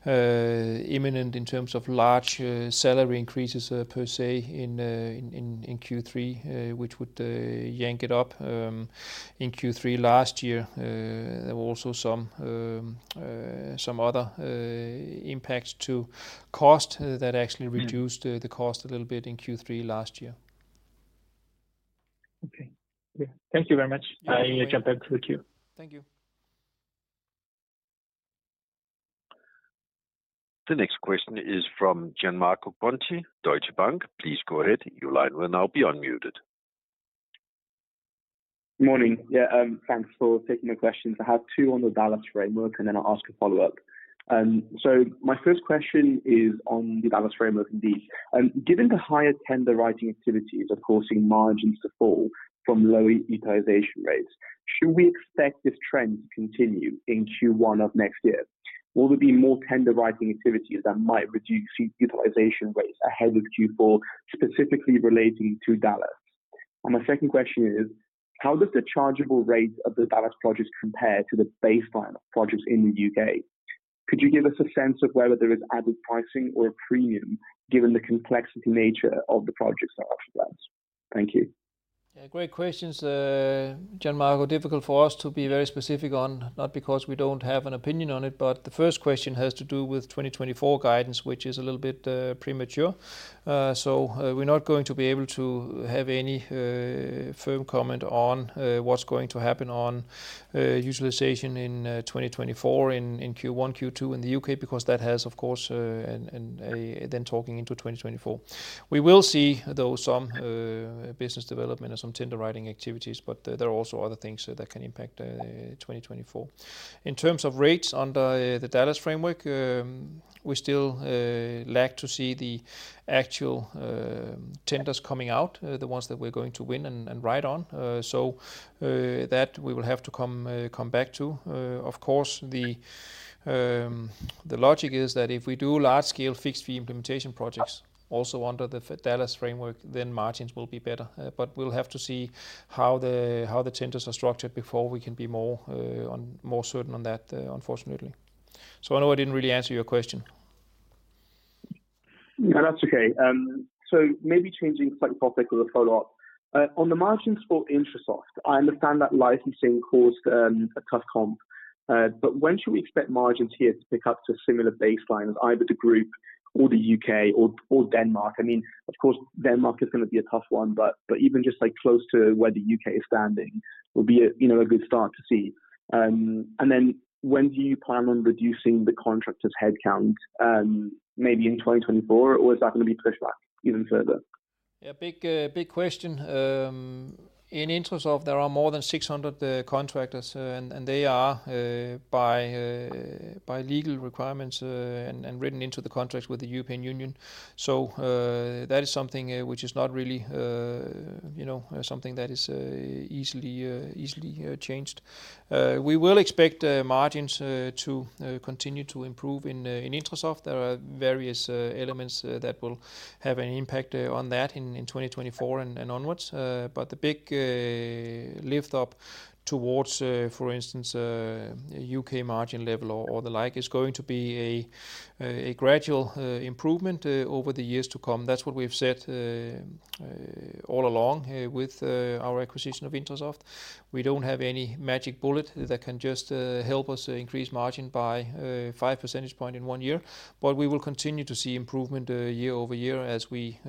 Speaker 3: imminent in terms of large salary increases per se in Q3, which would yank it up. In Q3 last year, there were also some other impacts to cost that actually reduced the cost a little bit in Q3 last year.
Speaker 7: Okay. Yeah. Thank you very much. I jump back to the queue.
Speaker 3: Thank you.
Speaker 1: The next question is from Gianmarco Conti, Deutsche Bank. Please go ahead. Your line will now be unmuted.
Speaker 8: Morning. Yeah, thanks for taking the questions. I have two on the DALAS framework, and then I'll ask a follow-up. So my first question is on the DALAS framework indeed. Given the higher tender writing activities are causing margins to fall from low utilization rates, should we expect this trend to continue in Q1 of next year? Will there be more tender writing activities that might reduce utilization rates ahead of Q4, specifically relating to DALAS? And my second question is: How does the chargeable rates of the DALAS projects compare to the baseline of projects in the U.K.? Could you give us a sense of whether there is added pricing or a premium, given the complexity nature of the projects in DALAS? Thank you.
Speaker 3: Yeah, great questions, Gianmarco. Difficult for us to be very specific on, not because we don't have an opinion on it, but the first question has to do with 2024 guidance, which is a little bit premature. So, we're not going to be able to have any firm comment on what's going to happen on utilization in 2024, in Q1, Q2 in the U.K., because that has, of course, and then talking into 2024. We will see, though, some business development or some tender writing activities, but there are also other things that can impact 2024. In terms of rates under the DALAS framework, we still lack to see the actual tenders coming out, the ones that we're going to win and ride on. So, that we will have to come back to. Of course, the logic is that if we do large-scale fixed-fee implementation projects, also under the DALAS framework, then margins will be better. But we'll have to see how the tenders are structured before we can be more on- more certain on that, unfortunately. So I know I didn't really answer your question.
Speaker 8: No, that's okay. So maybe changing subject for the follow-up. On the margins for Intrasoft, I understand that licensing caused a tough comp, but when should we expect margins here to pick up to a similar baseline as either the group, or the U.K., or Denmark? I mean, of course, Denmark is gonna be a tough one, but even just like close to where the U.K. is standing would be a good start to see. And then when do you plan on reducing the contractors' headcount? Maybe in 2024, or is that going to be pushed back even further?
Speaker 3: Yeah, big question. In Intrasoft, there are more than 600 contractors, and they are by legal requirements and written into the contract with the European Union. So, that is something which is not really something that is easily changed. We will expect margins to continue to improve in Intrasoft. There are various elements that will have an impact on that in 2024 and onwards. But the big lift up towards, for instance, U.K. margin level or the like, is going to be a gradual improvement over the years to come. That's what we've said all along with our acquisition of Intrasoft. We don't have any magic bullet that can just help us increase margin by 5 percentage point in 1 year. But we will continue to see improvement year-over-year as we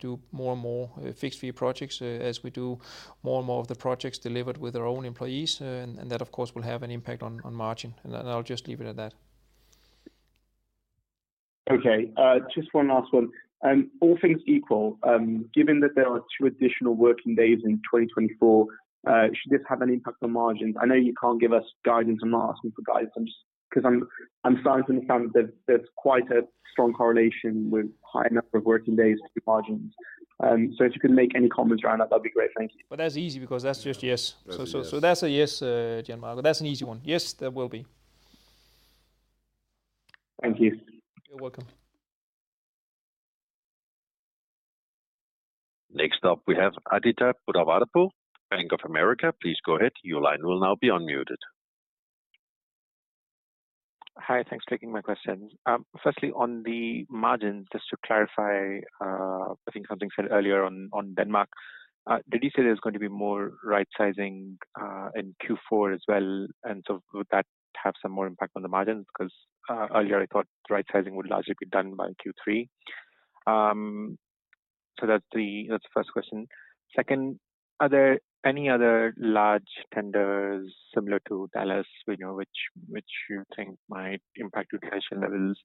Speaker 3: do more and more fixed-fee projects as we do more and more of the projects delivered with our own employees. And, and that, of course, will have an impact on margin, and I'll just leave it at that.
Speaker 8: Okay, just one last one. All things equal, given that there are two additional working days in 2024, should this have an impact on margins? I know you can't give us guidance. I'm not asking for guidance, 'cause I'm starting to understand that there's quite a strong correlation with high number of working days to margins. So if you can make any comments around that, that'd be great. Thank you.
Speaker 3: Well, that's easy, because that's just yes. So, that's a yes, Gianmarco. That's an easy one. Yes, there will be.
Speaker 8: Thank you.
Speaker 3: You're welcome.
Speaker 1: Next up, we have Aditya Buddhavarapu, Bank of America. Please go ahead. Your line will now be unmuted.
Speaker 9: Hi, thanks for taking my questions. Firstly, on the margin, just to clarify, I think something said earlier on, on Denmark. Did you say there's going to be more right-sizing, in Q4 as well? And so would that have some more impact on the margins? Because, earlier I thought right-sizing would largely be done by Q3. So that's the, that's the first question. Second, are there any other large tenders similar to DALAS, which you think might impact your cash levels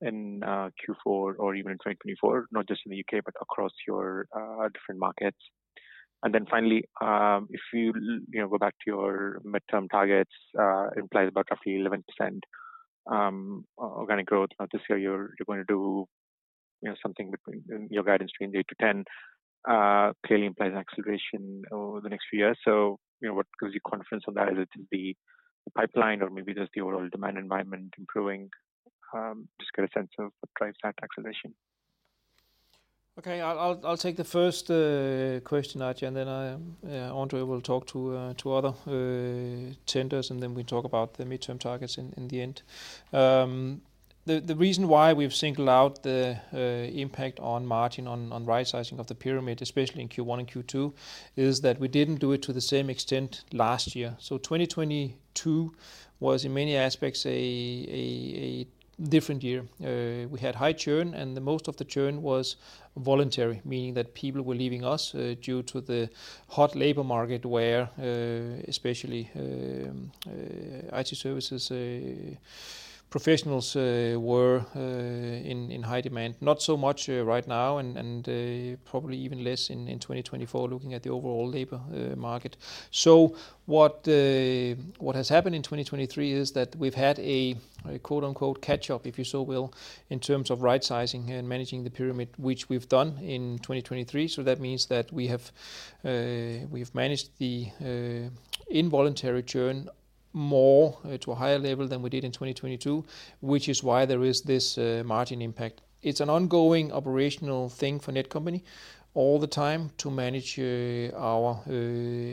Speaker 9: in, Q4 or even in 2024, not just in the U.K., but across your, different markets? And then finally, if you go back to your midterm targets, implies about roughly 11% organic growth. Now, this year, you're going to do something between—in your guidance between 8-10, clearly implies acceleration over the next few years. What gives you confidence on that? Is it in the pipeline or maybe just the overall demand environment improving? Just get a sense of what drives that acceleration.
Speaker 3: Okay. I'll take the first question, Aditya, and then I, André will talk to other tenders, and then we talk about the midterm targets in the end. The reason why we've singled out the impact on margin on right-sizing of the pyramid, especially in Q1 and Q2, is that we didn't do it to the same extent last year. So 2022 was, in many aspects, a different year. We had high churn, and the most of the churn was voluntary, meaning that people were leaving us due to the hot labor market where especially IT services professionals were in high demand. Not so much right now, and probably even less in 2024, looking at the overall labor market. So what, what has happened in 2023 is that we've had a, a quote, unquote, "catch up," if you so will, in terms of right-sizing and managing the pyramid, which we've done in 2023. So that means that we have, we've managed the, involuntary churn more, to a higher level than we did in 2022, which is why there is this, margin impact. It's an ongoing operational thing for Netcompany all the time to manage, our,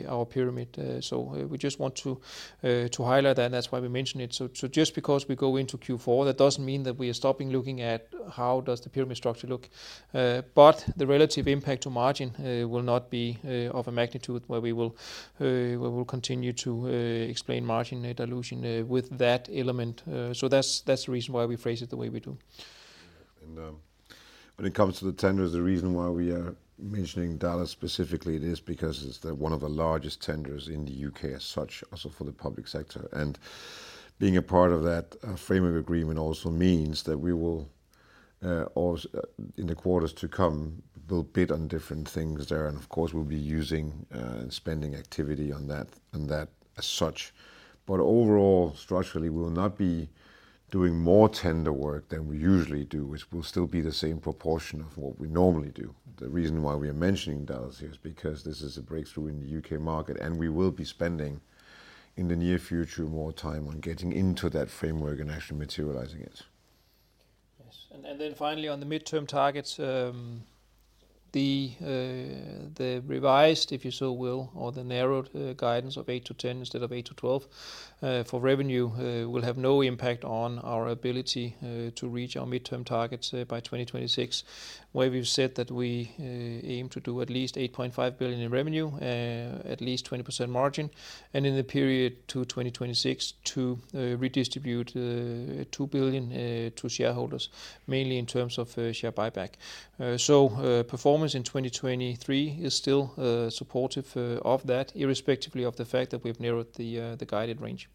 Speaker 3: our pyramid. So we just want to, to highlight that, and that's why we mention it. So, so just because we go into Q4, that doesn't mean that we are stopping looking at how does the pyramid structure look. But the relative impact to margin will not be of a magnitude where we will continue to explain margin dilution with that element. So that's the reason why we phrase it the way we do.
Speaker 2: When it comes to the tenders, the reason why we are mentioning DALAS specifically is because it's one of the largest tenders in the U.K. as such, also for the public sector. Being a part of that framework agreement also means that we will, in the quarters to come, we'll bid on different things there, and of course, we'll be using spending activity on that, on that as such. But overall, structurally, we will not be doing more tender work than we usually do, which will still be the same proportion of what we normally do. The reason why we are mentioning DALAS here is because this is a breakthrough in the U.K. market, and we will be spending, in the near future, more time on getting into that framework and actually materializing it.
Speaker 3: Yes. And then finally, on the midterm targets, the revised, if you so will, or the narrowed guidance of 8-10 billion instead of 8-12 billion for revenue will have no impact on our ability to reach our midterm targets by 2026, where we've said that we aim to do at least 8.5 billion in revenue, at least 20% margin, and in the period to 2026 to redistribute 2 billion to shareholders, mainly in terms of share buyback. So, performance in 2023 is still supportive of that, irrespective of the fact that we've narrowed the guided range.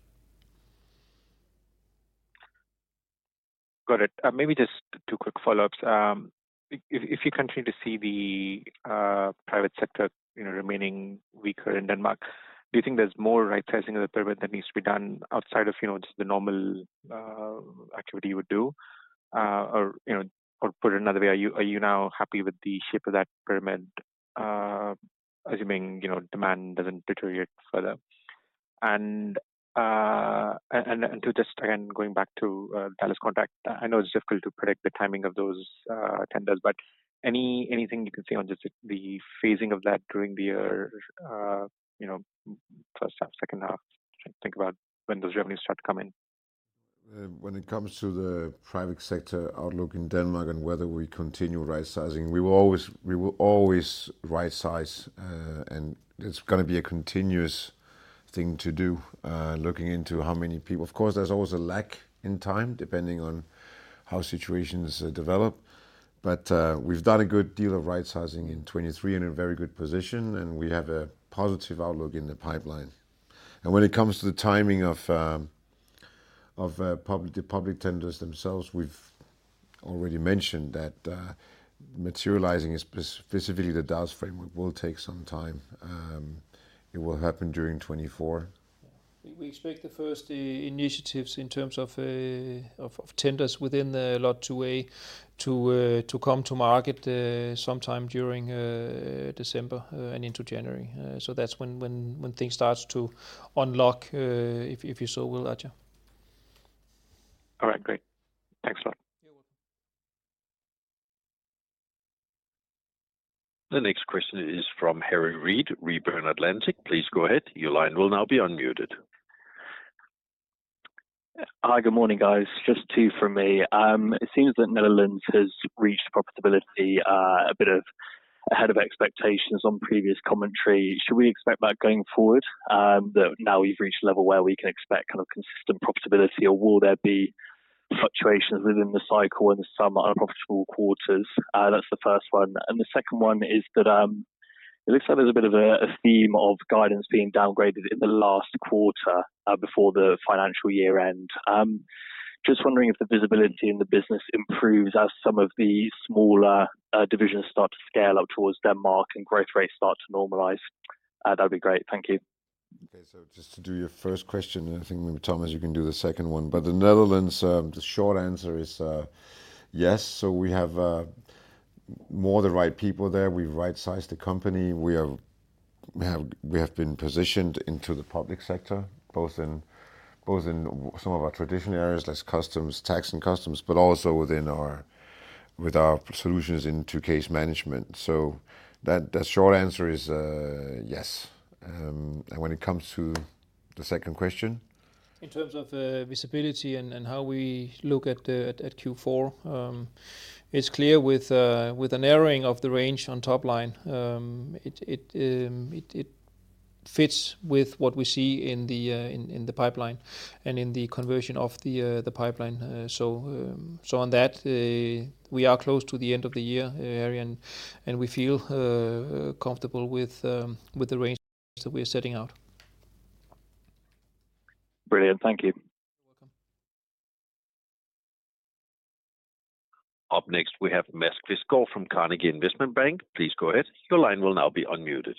Speaker 9: Got it. Maybe just two quick follow-ups. If you continue to see the private sector remaining weaker in Denmark, do you think there's more right-sizing of the pyramid that needs to be done outside of just the normal activity you would do? Or put another way, are you now happy with the shape of that pyramid, assuming demand doesn't deteriorate further? And to just, again, going back to the DALAS contract, I know it's difficult to predict the timing of those tenders, but anything you can say on just the phasing of that during the year first half, second half, trying to think about when those revenues start to come in.
Speaker 2: When it comes to the private sector outlook in Denmark and whether we continue right-sizing, we will always, we will always right-size, and it's gonna be a continuous thing to do, looking into how many people... Of course, there's always a lag in time, depending on how situations develop. But we've done a good deal of right-sizing in 2023, and in a very good position, and we have a positive outlook in the pipeline. When it comes to the timing of the public tenders themselves, we've already mentioned that materializing specifically the DALAS framework will take some time. It will happen during 2024.
Speaker 3: We expect the first initiatives in terms of tenders within the Lot 2a to come to market sometime during December and into January. So that's when things starts to unlock, if you so will, Aditya.
Speaker 9: All right, great. Thanks a lot.
Speaker 1: The next question is from Harry Read, Redburn Atlantic. Please go ahead. Your line will now be unmuted.
Speaker 10: Hi, good morning, guys. Just two from me. It seems that Netherlands has reached profitability, a bit ahead of expectations on previous commentary. Should we expect that going forward, that now we've reached a level where we can expect kind of consistent profitability? Or will there be fluctuations within the cycle and some unprofitable quarters? That's the first one. And the second one is that, it looks like there's a bit of a theme of guidance being downgraded in the last quarter before the financial year end. Just wondering if the visibility in the business improves as some of the smaller divisions start to scale up towards Denmark and growth rates start to normalize. That'd be great. Thank you.
Speaker 2: Okay. So just to do your first question, and I think, Thomas, you can do the second one. But the Netherlands, the short answer is yes. So we have more the right people there. We've right-sized the company. We have been positioned into the public sector, both in some of our traditional areas, less customs, tax and customs, but also with our solutions into case management. So that, the short answer is yes. And when it comes to the second question?
Speaker 3: In terms of visibility and how we look at Q4, it's clear with the narrowing of the range on top line, it fits with what we see in the pipeline and in the conversion of the pipeline. So on that, we are close to the end of the year, Harry, and we feel comfortable with the range that we are setting out.
Speaker 10: Brilliant. Thank you.
Speaker 3: You're welcome.
Speaker 1: Up next, we have Mads Quistgaard from Carnegie Investment Bank. Please go ahead. Your line will now be unmuted.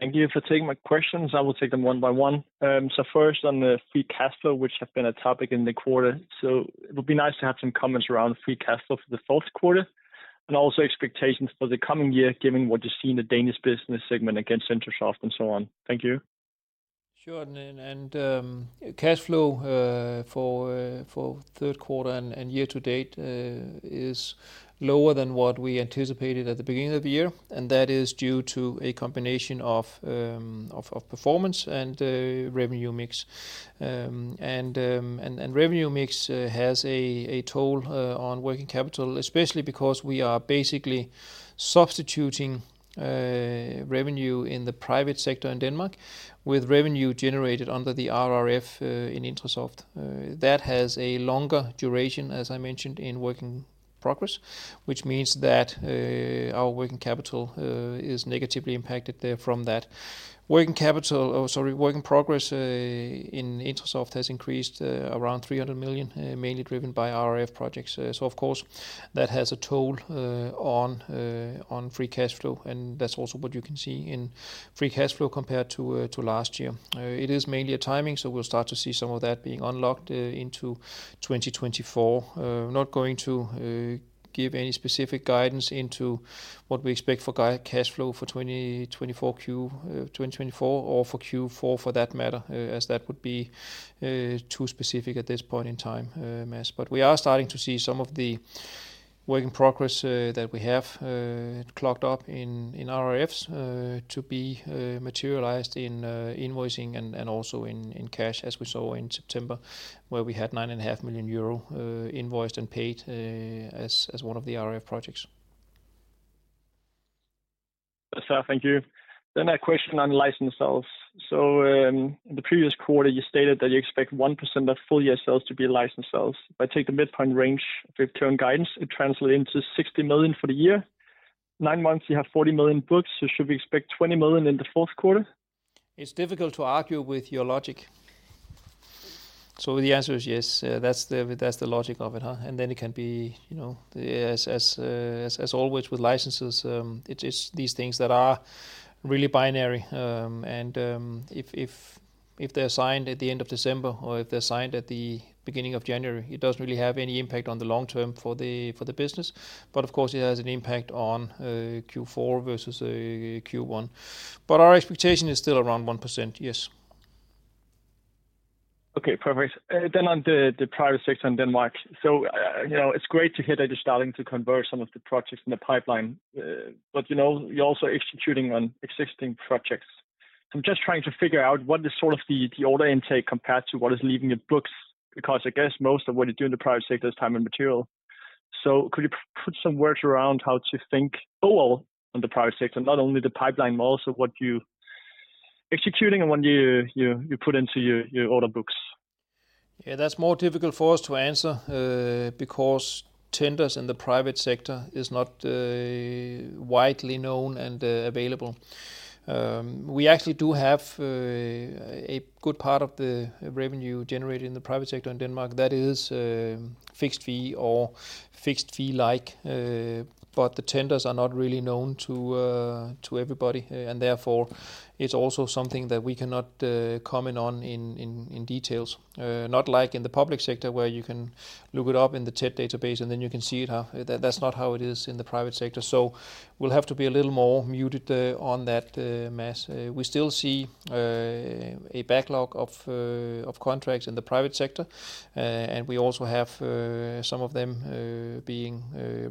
Speaker 11: Thank you for taking my questions. I will take them one by one. So first, on the free cash flow, which have been a topic in the quarter. So it would be nice to have some comments around free cash flow for the fourth quarter, and also expectations for the coming year, given what you see in the Danish business segment against Intrasoft and so on. Thank you.
Speaker 3: Sure. And cash flow for third quarter and year to date is lower than what we anticipated at the beginning of the year, and that is due to a combination of performance and revenue mix. And revenue mix has a toll on working capital, especially because we are basically substituting revenue in the private sector in Denmark with revenue generated under the RRF in Intrasoft. That has a longer duration, as I mentioned, in work in progress, which means that our working capital is negatively impacted there from that. Working capital, oh, sorry, work in progress in Intrasoft has increased around 300 million, mainly driven by RRF projects. Of course, that has a toll on free cash flow, and that's also what you can see in free cash flow compared to last year. It is mainly a timing, so we'll start to see some of that being unlocked into 2024. I'm not going to give any specific guidance into what we expect for cash flow for 2024 or for Q4, for that matter, as that would be too specific at this point in time, Mads. But we are starting to see some of the work in progress that we have clocked up in RRFs to be materialized in invoicing and also in cash, as we saw in September, where we had 9.5 million euro invoiced and paid as one of the RRF projects.
Speaker 11: So thank you. Then a question on license sales. So, in the previous quarter, you stated that you expect 1% of full year sales to be license sales. If I take the midpoint range full-year guidance, it translate into 60 million for the year. Nine months, you have 40 million booked, so should we expect 20 million in the fourth quarter?
Speaker 3: It's difficult to argue with your logic. So the answer is yes. That's the logic of it, huh? And then it can be as always, with licenses, it's these things that are really binary. And if they're signed at the end of December or if they're signed at the beginning of January, it doesn't really have any impact on the long term for the business. But of course, it has an impact on Q4 versus Q1. But our expectation is still around 1%, yes.
Speaker 11: Okay, perfect. Then on the private sector in Denmark. It's great to hear that you're starting to convert some of the projects in the pipeline, but you're also executing on existing projects. So I'm just trying to figure out what is sort of the order intake compared to what is leaving your books, because I guess most of what you do in the private sector is time and material. So could you put some words around how to think overall on the private sector, not only the pipeline, but also what you're executing and what you put into your order books?
Speaker 3: Yeah, that's more difficult for us to answer, because tenders in the private sector is not widely known and available. We actually do have a good part of the revenue generated in the private sector in Denmark that is fixed fee or fixed fee-like, but the tenders are not really known to everybody, and therefore, it's also something that we cannot comment on in details. Not like in the public sector, where you can look it up in the TED database, and then you can see it, huh? That's not how it is in the private sector. So we'll have to be a little more muted on that, Mads. We still see a backlog of contracts in the private sector, and we also have some of them being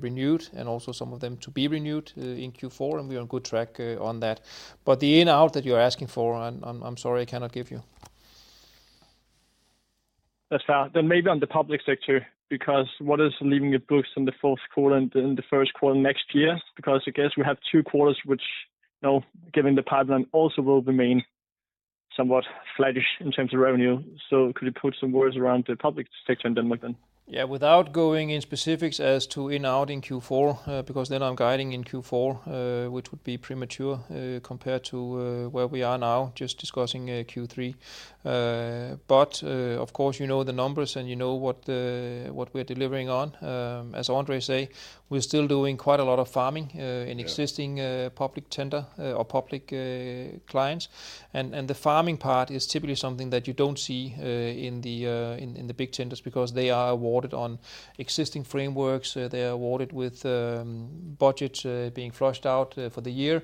Speaker 3: renewed and also some of them to be renewed in Q4, and we're on good track on that. But the in/out that you're asking for, I'm sorry, I cannot give you.
Speaker 11: That's fair. Then maybe on the public sector, because what is leaving the books in the fourth quarter and in the first quarter next year? Because I guess we have two quarters which given the pipeline, also will remain somewhat flattish in terms of revenue. So could you put some words around the public sector in Denmark then?
Speaker 3: Yeah, without going in specifics as to in, out in Q4, because then I'm guiding in Q4, which would be premature, compared to where we are now, just discussing Q3. But of course, you know the numbers, and what the- what we're delivering on. As André say, we're still doing quite a lot of farming in existing public tender or public clients. And the farming part is typically something that you don't see in the big tenders, because they are awarded on existing frameworks. They are awarded with budgets being flushed out for the year.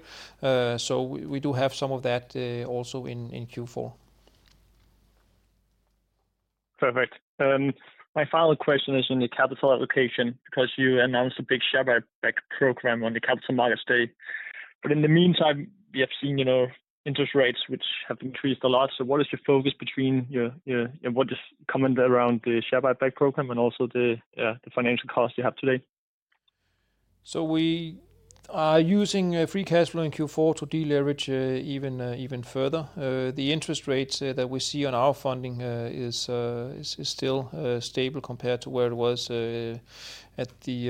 Speaker 3: So we do have some of that also in Q4.
Speaker 11: Perfect. My final question is on the capital allocation, because you announced a big share buyback program on the Capital Markets Day. But in the meantime, we have seen interest rates, which have increased a lot. So what is your focus between your... And what is coming around the share buyback program and also the financial costs you have today?
Speaker 3: So we are using free cash flow in Q4 to deleverage even further. The interest rates that we see on our funding is still stable compared to where it was at the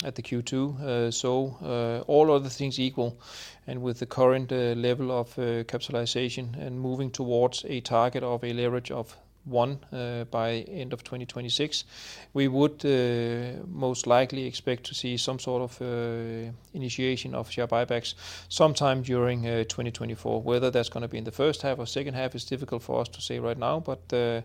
Speaker 3: Q2. So all other things equal, and with the current level of capitalization and moving towards a target of a leverage of one by end of 2026, we would most likely expect to see some sort of initiation of share buybacks sometime during 2024. Whether that's gonna be in the first half or second half is difficult for us to say right now, but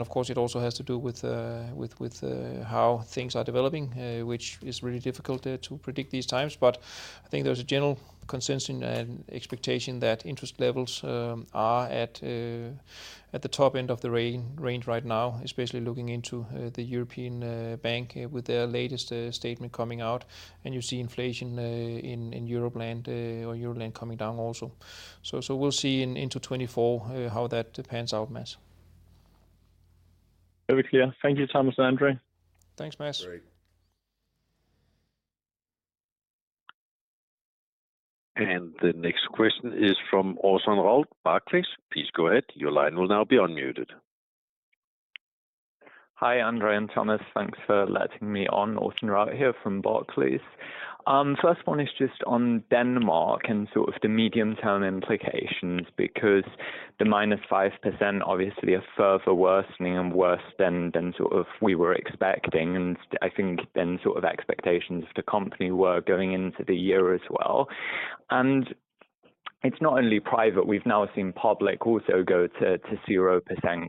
Speaker 3: of course, it also has to do with how things are developing, which is really difficult to predict these times. But I think there's a general consensus and expectation that interest levels are at the top end of the range right now, especially looking into the European Bank, with their latest statement coming out. And you see inflation in Euroland coming down also. So we'll see into 2024 how that pans out, Mads.
Speaker 11: Very clear. Thank you, Thomas, André.
Speaker 3: Thanks, Mads.
Speaker 1: The next question is from Orson Rout, Barclays. Please go ahead. Your line will now be unmuted.
Speaker 12: Hi, André and Thomas. Thanks for letting me on. Orson Rout here from Barclays. First one is just on Denmark and sort of the medium-term implications, because the -5% obviously are further worsening and worse than, than sort of we were expecting, and I think than sort of expectations the company were going into the year as well. And it's not only private, we've now seen public also go to, to 0%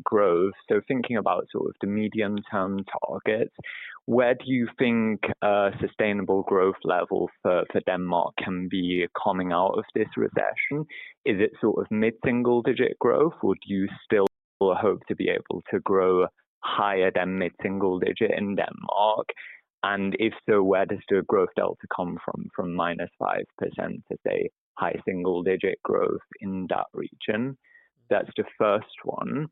Speaker 12: growth. So thinking about sort of the medium-term targets, where do you think sustainable growth level for, for Denmark can be coming out of this recession? Is it sort of mid-single digit growth, or do you still hope to be able to grow higher than mid-single digit in Denmark? And if so, where does the growth delta come from, from -5% to, say, high single digit growth in that region? That's the first one.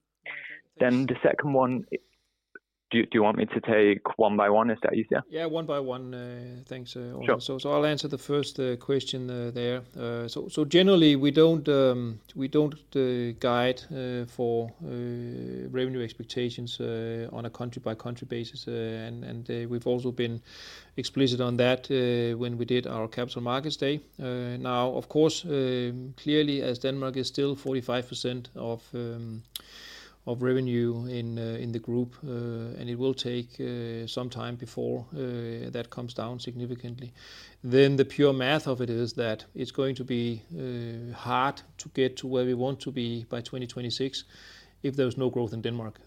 Speaker 12: Then the second one... Do you want me to take one by one, is that easier?
Speaker 3: Yeah, one by one, thanks, Orson. I'll answer the first question there. So, generally, we don't guide for revenue expectations on a country-by-country basis. And, we've also been explicit on that when we did our Capital Markets Day. Now, of course, clearly, as Denmark is still 45% of revenue in the group, and it will take some time before that comes down significantly, then the pure math of it is that it's going to be hard to get to where we want to be by 2026 if there's no growth in Denmark,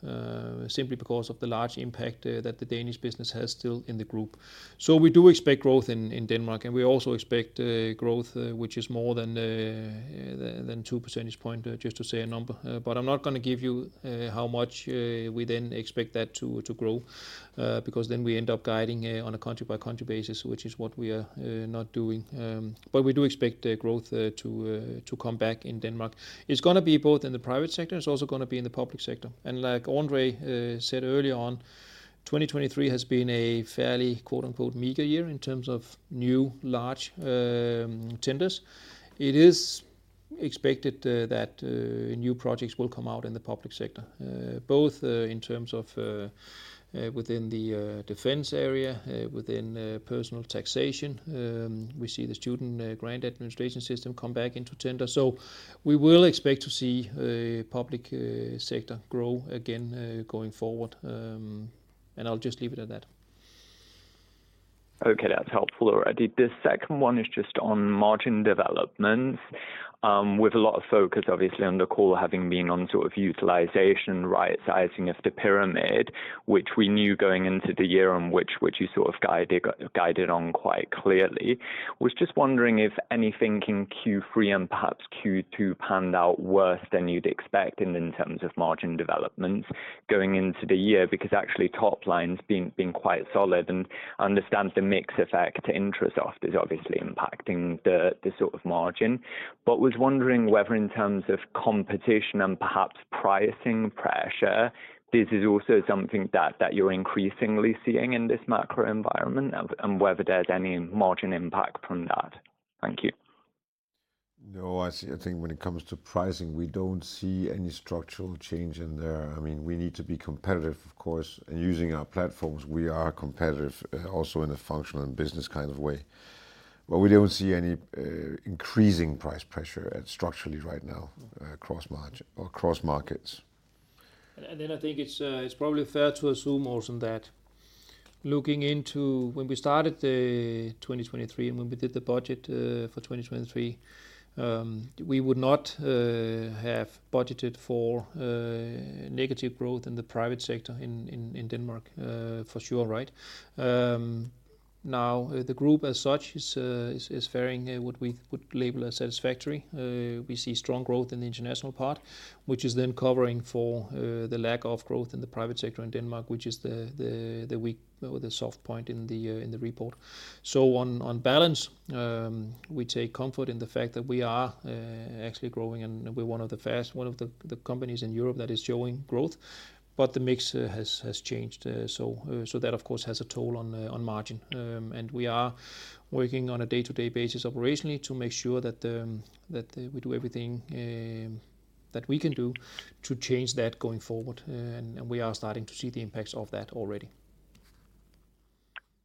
Speaker 3: simply because of the large impact that the Danish business has still in the group. So we do expect growth in Denmark, and we also expect growth, which is more than 2 percentage point, just to say a number. But I'm not gonna give you how much we then expect that to grow, because then we end up guiding on a country-by-country basis, which is what we are not doing. But we do expect the growth to come back in Denmark. It's gonna be both in the private sector, it's also gonna be in the public sector. And like André said earlier on, 2023 has been a fairly, quote, unquote, "meager year" in terms of new, large tenders. It is expected that new projects will come out in the public sector, both in terms of within the defense area, within the personal taxation. We see the student grant administration system come back into tender. So we will expect to see public sector grow again, going forward. And I'll just leave it at that.
Speaker 12: Okay, that's helpful already. The second one is just on margin development, with a lot of focus, obviously, on the call having been on sort of utilization, right, sizing of the pyramid, which we knew going into the year, and which you sort of guided, guided on quite clearly. Was just wondering if anything in Q3 and perhaps Q2 panned out worse than you'd expect in terms of margin development, going into the year, because actually top line's been quite solid, and understand the mix effect interest after is obviously impacting the sort of margin. But was wondering whether in terms of competition and perhaps pricing pressure, this is also something that you're increasingly seeing in this macro environment, and whether there's any margin impact from that? Thank you.
Speaker 2: No, I see. I think when it comes to pricing, we don't see any structural change in there. I mean, we need to be competitive, of course, and using our platforms, we are competitive also in a functional and business kind of way. But we don't see any increasing price pressure structurally right now across margin or across markets.
Speaker 3: I think it's probably fair to assume also that looking into when we started 2023, and when we did the budget for 2023, we would not have budgeted for negative growth in the private sector in Denmark, for sure, right? Now, the group as such is fairing what we would label as satisfactory. We see strong growth in the international part, which is then covering for the lack of growth in the private sector in Denmark, which is the weak or the soft point in the report. On balance, we take comfort in the fact that we are actually growing, and we're one of the fast- one of the companies in Europe that is showing growth. But the mix has changed, so that, of course, has a toll on margin. And we are working on a day-to-day basis operationally to make sure that we do everything that we can do to change that going forward. And we are starting to see the impacts of that already.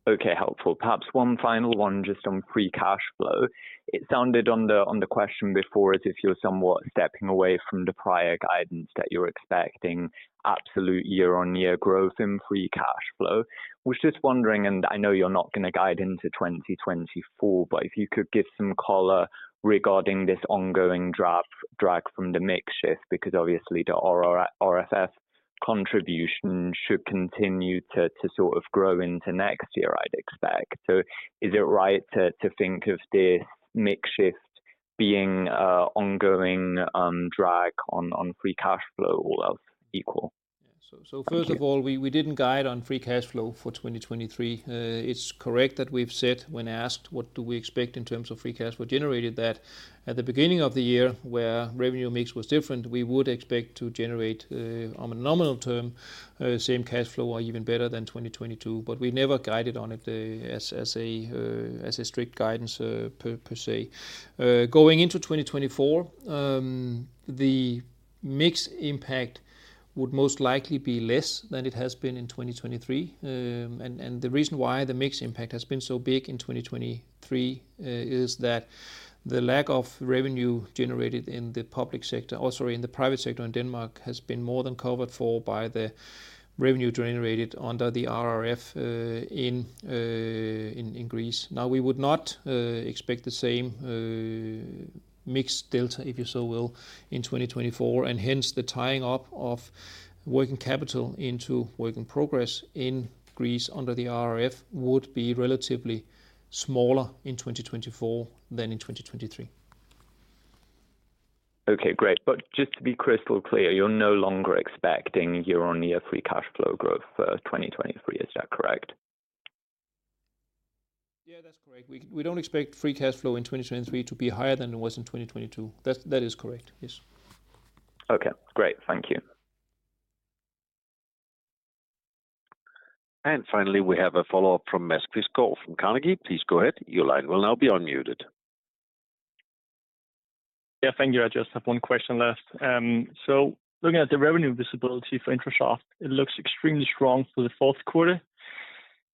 Speaker 12: Okay, helpful. Perhaps one final one just on free cash flow. It sounded on the question before as if you're somewhat stepping away from the prior guidance, that you're expecting absolute year-on-year growth in free cash flow. Was just wondering, and I know you're not gonna guide into 2024, but if you could give some color regarding this ongoing drop drag from the mix shift, because obviously, the RRF contribution should continue to sort of grow into next year, I'd expect. So is it right to think of this mix shift being a ongoing drag on free cash flow all else equal?
Speaker 3: So, first of all we didn't guide on free cash flow for 2023. It's correct that we've said, when asked, what do we expect in terms of free cash flow generated, that at the beginning of the year, where revenue mix was different, we would expect to generate, on a nominal term, same cash flow or even better than 2022, but we never guided on it, as a strict guidance, per se. Going into 2024, the mix impact would most likely be less than it has been in 2023. And the reason why the mix impact has been so big in 2023 is that the lack of revenue generated in the public sector... Oh, sorry, in the private sector in Denmark, has been more than covered for by the revenue generated under the RRF in Greece. Now, we would not expect the same mixed delta, if you so will, in 2024, and hence the tying up of working capital into work in progress in Greece under the RRF would be relatively smaller in 2024 than in 2023.
Speaker 12: Okay, great. But just to be crystal clear, you're no longer expecting year-on-year free cash flow growth for 2023. Is that correct?
Speaker 3: Yeah, that's correct. We, we don't expect Free Cash Flow in 2023 to be higher than it was in 2022. That's, that is correct. Yes.
Speaker 12: Okay, great. Thank you.
Speaker 1: Finally, we have a follow-up from Mads Quistgaard from Carnegie. Please go ahead. Your line will now be unmuted.
Speaker 11: Yeah, thank you. I just have one question left. So looking at the revenue visibility for Intrasoft, it looks extremely strong for the fourth quarter.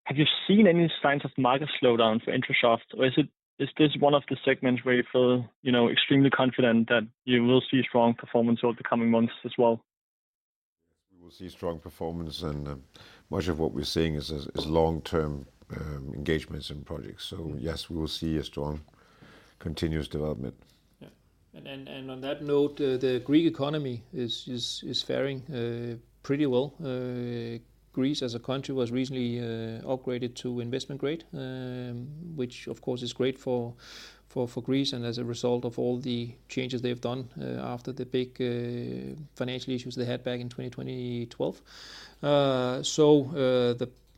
Speaker 11: Have you seen any signs of market slowdown for Intrasoft, or is it, is this one of the segments where you feel extremely confident that you will see strong performance over the coming months as well?
Speaker 2: We will see strong performance, and much of what we're seeing is long-term engagements in projects. So yes, we will see a strong continuous development.
Speaker 3: Yeah. And on that note, the Greek economy is faring pretty well. Greece, as a country, was recently upgraded to investment grade, which of course is great for Greece and as a result of all the changes they've done after the big financial issues they had back in 2012. So,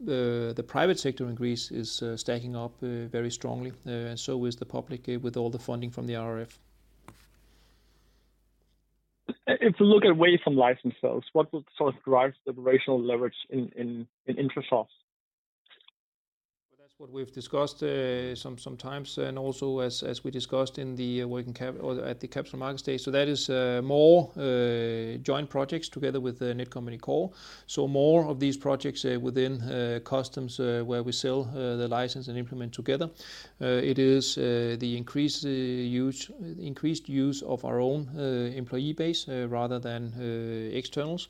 Speaker 3: the private sector in Greece is stacking up very strongly, so is the public with all the funding from the RRF.
Speaker 11: If you look away from licensed sales, what would sort of drive the operational leverage in Intrasoft?
Speaker 3: Well, that's what we've discussed sometimes, and also as we discussed at the Capital Markets Day. So that is more joint projects together with the Netcompany core. So more of these projects within customs, where we sell the license and implement together. It is the increased use of our own employee base rather than externals.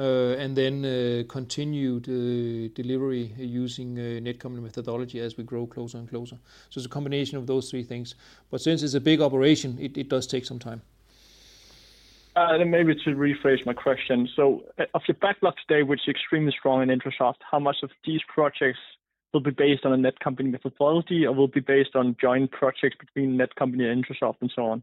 Speaker 3: And then continued delivery using Netcompany methodology as we grow closer and closer. So it's a combination of those three things, but since it's a big operation, it does take some time.
Speaker 11: Then, maybe to rephrase my question: so of your backlog today, which is extremely strong in Intrasoft, how much of these projects will be based on a Netcompany methodology or will be based on joint projects between Netcompany and Intrasoft and so on?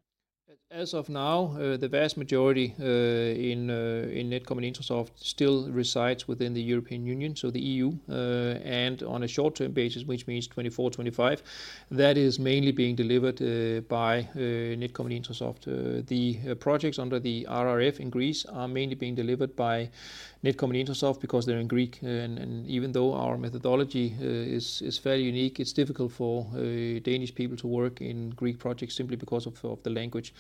Speaker 3: As of now, the vast majority in Netcompany-Intrasoft still resides within the European Union, so the EU. And on a short-term basis, which means 2024, 2025, that is mainly being delivered by Netcompany-Intrasoft. The projects under the RRF in Greece are mainly being delivered by Netcompany-Intrasoft because they're in Greek, and even though our methodology is fairly unique, it's difficult for Danish people to work in Greek projects simply because of the language.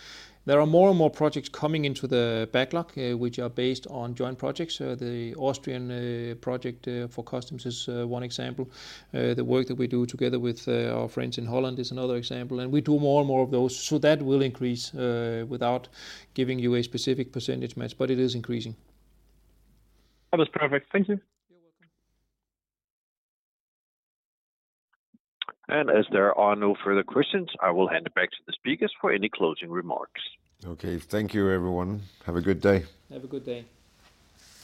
Speaker 3: There are more and more projects coming into the backlog, which are based on joint projects. The Austrian project for customs is one example. The work that we do together with our friends in Holland is another example, and we do more and more of those. That will increase, without giving you a specific percentage match, but it is increasing.
Speaker 11: That was perfect. Thank you.
Speaker 3: You're welcome.
Speaker 1: As there are no further questions, I will hand it back to the speakers for any closing remarks.
Speaker 2: Okay. Thank you, everyone. Have a good day.
Speaker 3: Have a good day.